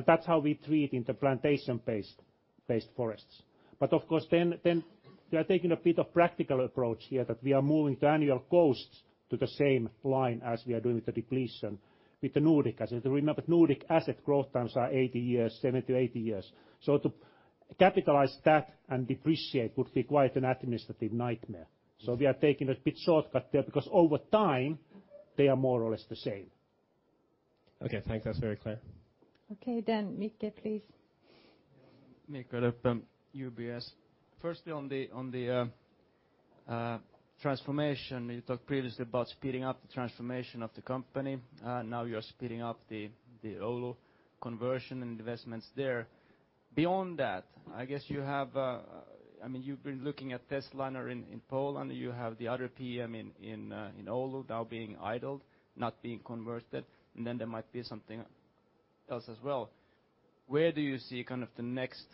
That's how we treat in the plantation-based forests. Of course, we are taking a bit of practical approach here that we are moving the annual costs to the same line as we are doing with the depletion with the Nordic assets. Remember, Nordic asset growth times are 80 years, 70 to 80 years. To capitalize that and depreciate would be quite an administrative nightmare. We are taking a bit shortcut there because over time they are more or less the same. Okay, thanks. That's very clear. Okay, then Micke, please. Mikko Röppä, UBS. Firstly, on the transformation, you talked previously about speeding up the transformation of the company. Now you're speeding up the Oulu conversion and investments there. Beyond that, you've been looking at Tychy or in Poland, you have the other PM in Oulu now being idled, not being converted, and then there might be something else as well. Where do you see the next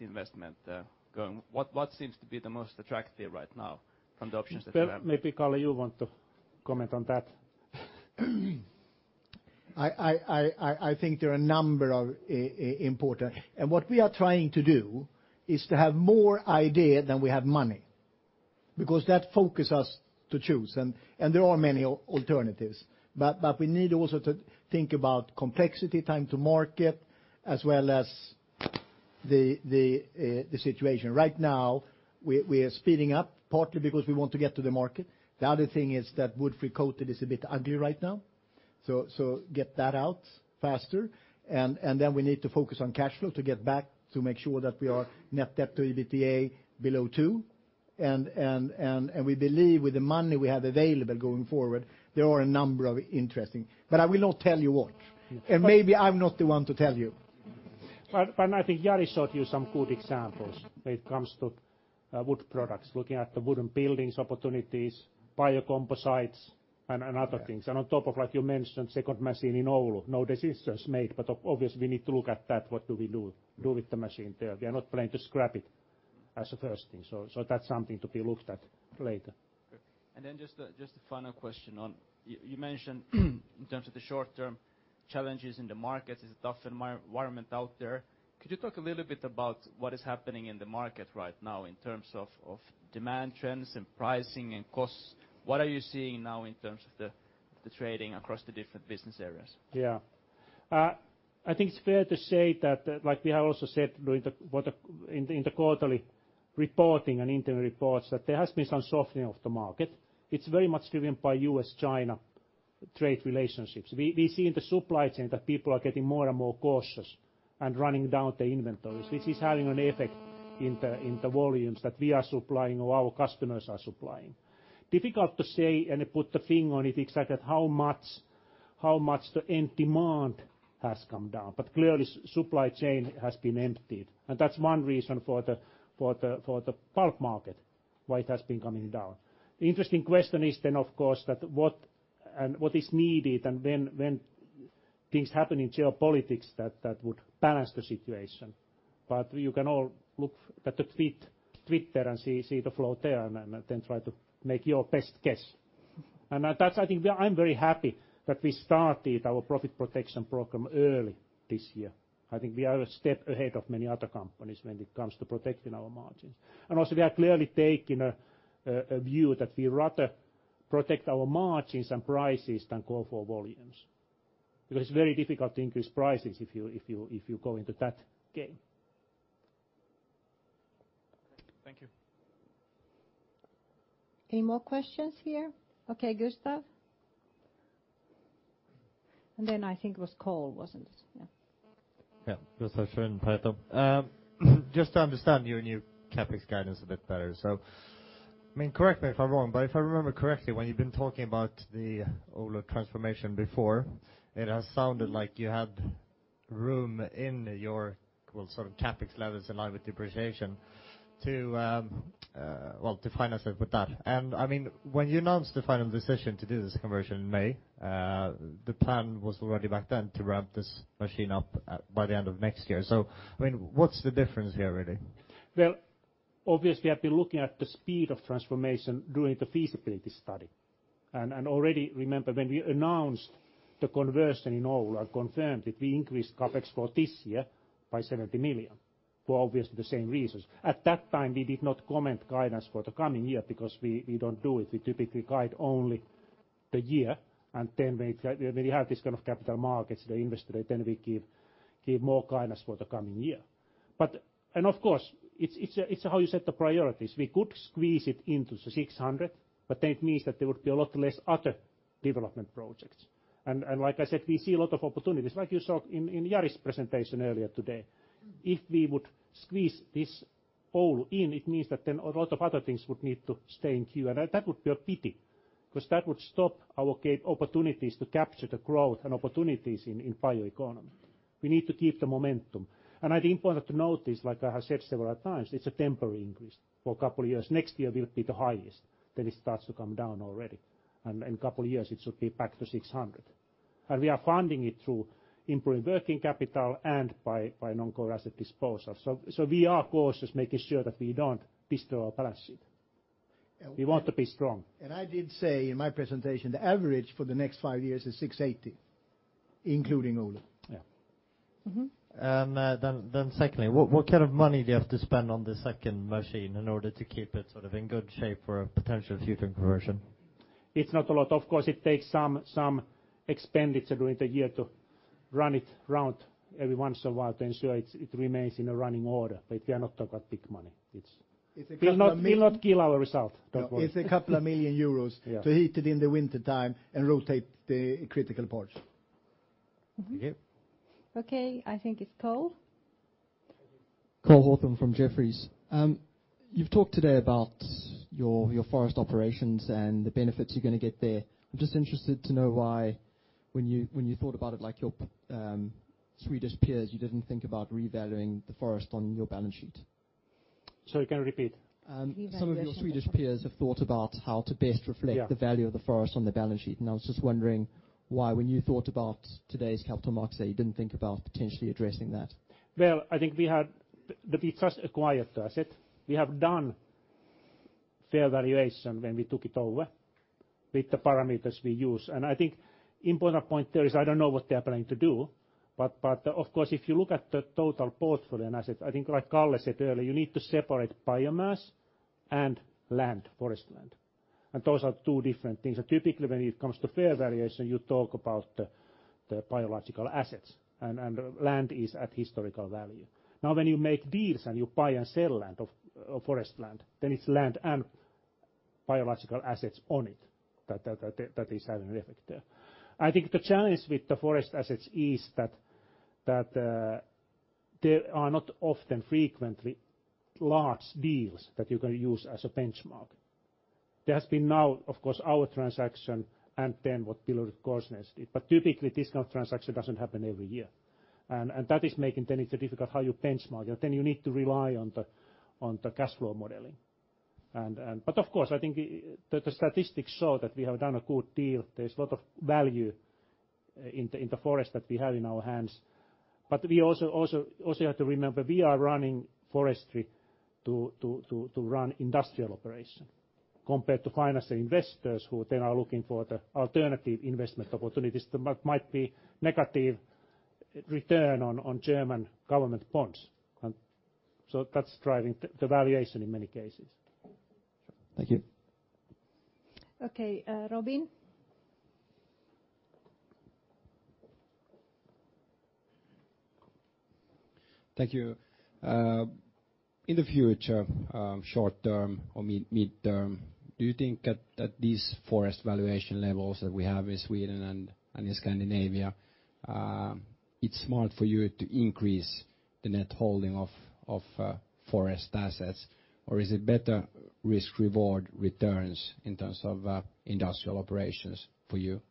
investment going? What seems to be the most attractive right now from the options that you have? Maybe Kalle, you want to comment on that? I think there are a number of important. What we are trying to do is to have more idea than we have money, because that focus us to choose and there are many alternatives. We need also to think about complexity, time to market, as well as the situation. Right now, we are speeding up partly because we want to get to the market. The other thing is that wood-free coated is a bit ugly right now, so get that out faster, and then we need to focus on cash flow to get back to make sure that we are net debt to EBITDA below two. We believe with the money we have available going forward, there are a number of interesting. I will not tell you what, and maybe I'm not the one to tell you. I think Jari showed you some good examples when it comes to Wood Products, looking at the wooden buildings opportunities, biocomposites, and other things. On top of that, you mentioned second machine in Oulu. No decisions made, but obviously we need to look at that. What do we do with the machine there? We are not planning to scrap it as a first thing. That's something to be looked at later. Okay. Just a final question on You mentioned in terms of the short-term challenges in the market, it's a tougher environment out there. Could you talk a little bit about what is happening in the market right now in terms of demand trends and pricing and costs? What are you seeing now in terms of the trading across the different business areas? Yeah. I think it's fair to say that, like we have also said in the quarterly reporting and interim reports, that there has been some softening of the market. It's very much driven by U.S.-China trade relationships. We see in the supply chain that people are getting more and more cautious and running down the inventories. This is having an effect in the volumes that we are supplying or our customers are supplying. Difficult to say, and put a thing on it exactly how much the end demand has come down, but clearly supply chain has been emptied. That's one reason for the pulp market, why it has been coming down. The interesting question is then, of course, what is needed and when things happen in geopolitics that would balance the situation. You can all look at Twitter and see the flow there and then try to make your best guess. I think I'm very happy that we started our profit protection program early this year. I think we are a step ahead of many other companies when it comes to protecting our margins. Also, we are clearly taking a view that we rather protect our margins and prices than go for volumes, because it's very difficult to increase prices if you go into that game. Thank you. Any more questions here? Okay, Gustav. I think it was Cole, wasn't it? Yeah. Yeah. Gustav Schön, Pareto. Just to understand your new CapEx guidance a bit better. Correct me if I'm wrong, but if I remember correctly, when you've been talking about the Oulu transformation before, it has sounded like you had room in your CapEx levels aligned with depreciation to finance it with that. When you announced the final decision to do this conversion in May, the plan was already back then to wrap this machine up by the end of next year. What's the difference here, really? Well, obviously, I've been looking at the speed of transformation during the feasibility study. Already, remember, when we announced the conversion in Oulu and confirmed it, we increased CapEx for this year by 70 million, for obviously the same reasons. At that time, we did not comment guidance for the coming year because we don't do it. We typically guide only the year. Then when we have this kind of capital markets, the investor, then we give more guidance for the coming year. Of course, it's how you set the priorities. We could squeeze it into 600, but then it means that there would be a lot less other development projects. Like I said, we see a lot of opportunities, like you saw in Jari's presentation earlier today. If we would squeeze this Oulu in, it means that then a lot of other things would need to stay in queue. That would be a pity because that would stop our opportunities to capture the growth and opportunities in bioeconomy. We need to keep the momentum. I think important to note is, like I have said several times, it's a temporary increase for a couple of years. Next year will be the highest. It starts to come down already. In a couple years, it should be back to 600. We are funding it through improving working capital and by non-core asset disposals. We are cautious, making sure that we don't destroy our balance sheet. We want to be strong. I did say in my presentation, the average for the next five years is 680, including Oulu. Yeah. Secondly, what kind of money do you have to spend on the second machine in order to keep it in good shape for a potential future conversion? It's not a lot. Of course, it takes some expenditure during the year to run it round every once in a while to ensure it remains in a running order. We are not talking about big money. It will not kill our result, don't worry. It's a EUR couple of million. Yeah to heat it in the wintertime and rotate the critical parts. Thank you. Okay, I think it's Cole. Cole Hathorn from Jefferies. You've talked today about your forest operations and the benefits you're going to get there. I'm just interested to know why when you thought about it, like your Swedish peers, you didn't think about revaluing the forest on your balance sheet? Sorry, can you repeat? Revaluation of Some of your Swedish peers have thought about how to best reflect. Yeah the value of the forest on the balance sheet. I was just wondering why, when you thought about today's capital markets, that you didn't think about potentially addressing that? Well, I think we just acquired the asset. We have done fair valuation when we took it over with the parameters we use. I think important point there is I don't know what they are planning to do, but of course, if you look at the total portfolio and assets, I think like Kalle said earlier, you need to separate biomass and land, forest land. Those are two different things. Typically, when it comes to fair valuation, you talk about the biological assets, and land is at historical value. Now, when you make deals and you buy and sell land, forest land, then it's land and biological assets on it that is having an effect there. I think the challenge with the forest assets is that there are not often frequently large deals that you can use as a benchmark. There has been now, of course, our transaction and then what BillerudKorsnäs did. Typically this kind of transaction doesn't happen every year. That is making things difficult how you benchmark it. You need to rely on the cash flow modeling. Of course, I think the statistics show that we have done a good deal. There's a lot of value in the forest that we have in our hands. We also have to remember, we are running forestry to run industrial operation, compared to financial investors who then are looking for the alternative investment opportunities that might be negative return on German government bonds. That's driving the valuation in many cases. Thank you. Okay, Robin. Thank you. In the future, short term or mid term, do you think that these forest valuation levels that we have in Sweden and in Scandinavia, it is smart for you to increase the net holding of forest assets? Or is it better risk reward returns in terms of industrial operations for you?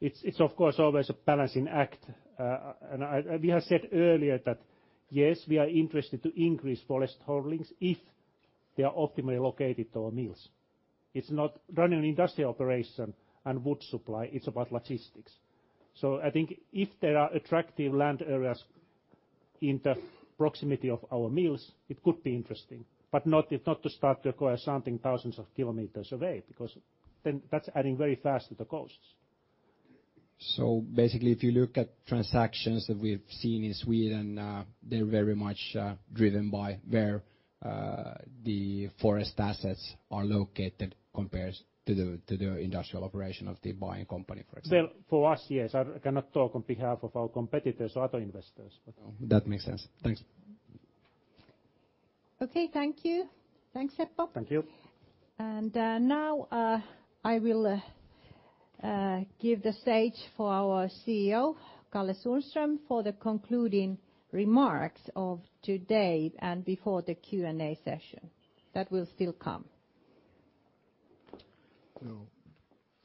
It's of course always a balancing act. We have said earlier that, yes, we are interested to increase forest holdings if they are optimally located to our mills. It's not running an industrial operation and wood supply, it's about logistics. I think if there are attractive land areas in the proximity of our mills, it could be interesting. Not if not to start to acquire something thousands of kilometers away, because then that's adding very fast to the costs. Basically, if you look at transactions that we've seen in Sweden, they're very much driven by where the forest assets are located compared to the industrial operation of the buying company, for example. Well, for us, yes. I cannot talk on behalf of our competitors or other investors. That makes sense. Thanks. Okay, thank you. Thanks, Seppo. Thank you. Now, I will give the stage for our CEO, Karl-Henrik Sundström, for the concluding remarks of today and before the Q&A session. That will still come.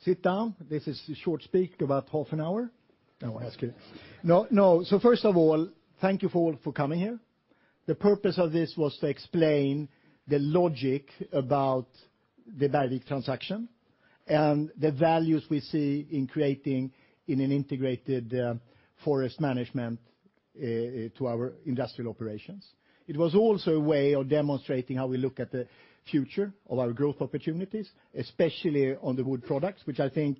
Sit down. This is a short speech, about half an hour. No, I'm just kidding. No. First of all, thank you for all for coming here. The purpose of this was to explain the logic about the Bergvik transaction and the values we see in creating in an integrated forest management to our industrial operations. It was also a way of demonstrating how we look at the future of our growth opportunities, especially on the Wood Products, which I think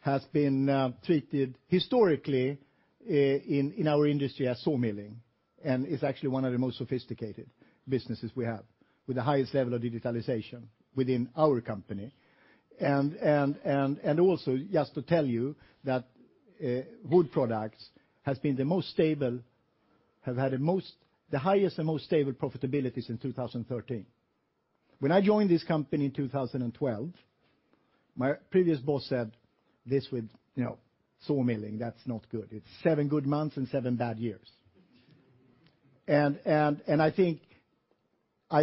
has been treated historically in our industry as sawmilling, and is actually one of the most sophisticated businesses we have, with the highest level of digitalization within our company. Also, just to tell you that Wood Products has been the most stable, have had the highest and most stable profitabilities since 2013. When I joined this company in 2012, my previous boss said this with sawmilling, that's not good. It's seven good months and seven bad years. I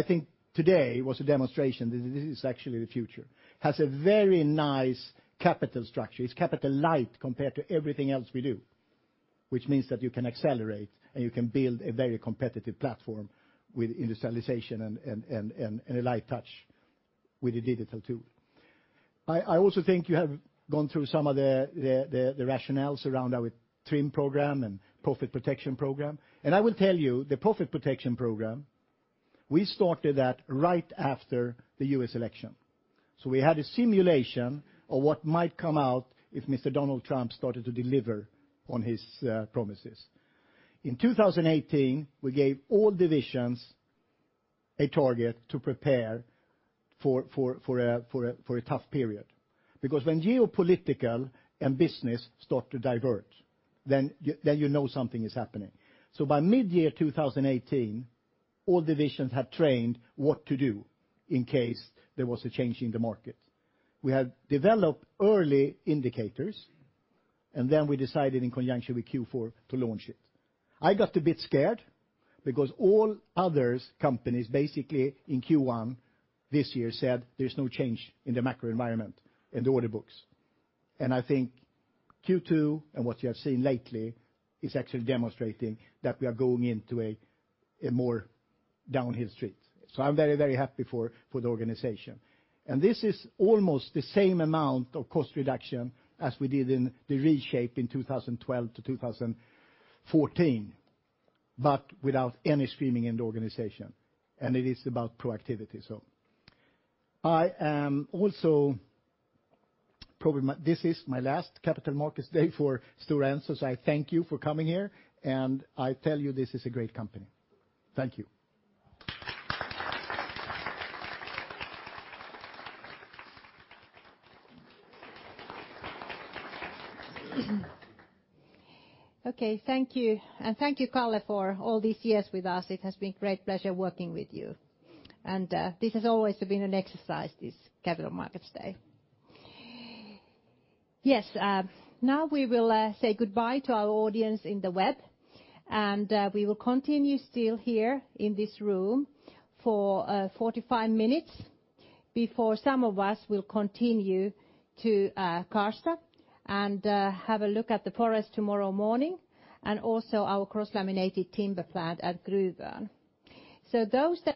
think today was a demonstration that this is actually the future. It has a very nice capital structure. It's capital light compared to everything else we do, which means that you can accelerate and you can build a very competitive platform with industrialization and a light touch with the digital tool. I also think you have gone through some of the rationales around our TRIM Program and Profit Protection Program. I will tell you, the Profit Protection Program, we started that right after the U.S. election. We had a simulation of what might come out if Mr. Donald Trump started to deliver on his promises. In 2018, we gave all divisions a target to prepare for a tough period. When geopolitical and business start to diverge, then you know something is happening. By mid-year 2018, all divisions had trained what to do in case there was a change in the market. We had developed early indicators, and then we decided in conjunction with Q4 to launch it. I got a bit scared because all other companies, basically in Q1 this year, said there's no change in the macro environment in the order books. I think Q2 and what you have seen lately is actually demonstrating that we are going into a more downhill street. I'm very happy for the organization. This is almost the same amount of cost reduction as we did in the reshape in 2012 to 2014, but without any screaming in the organization. It is about proactivity. This is my last Capital Markets Day for Stora Enso, so I thank you for coming here, and I tell you this is a great company. Thank you. Okay, thank you. Thank you, Kalle, for all these years with us. It has been great pleasure working with you. This has always been an exercise, this Capital Markets Day. Yes. Now we will say goodbye to our audience in the web, we will continue still here in this room for 45 minutes before some of us will continue to Karlstad and have a look at the forest tomorrow morning, and also our cross-laminated timber plant at Gruvön.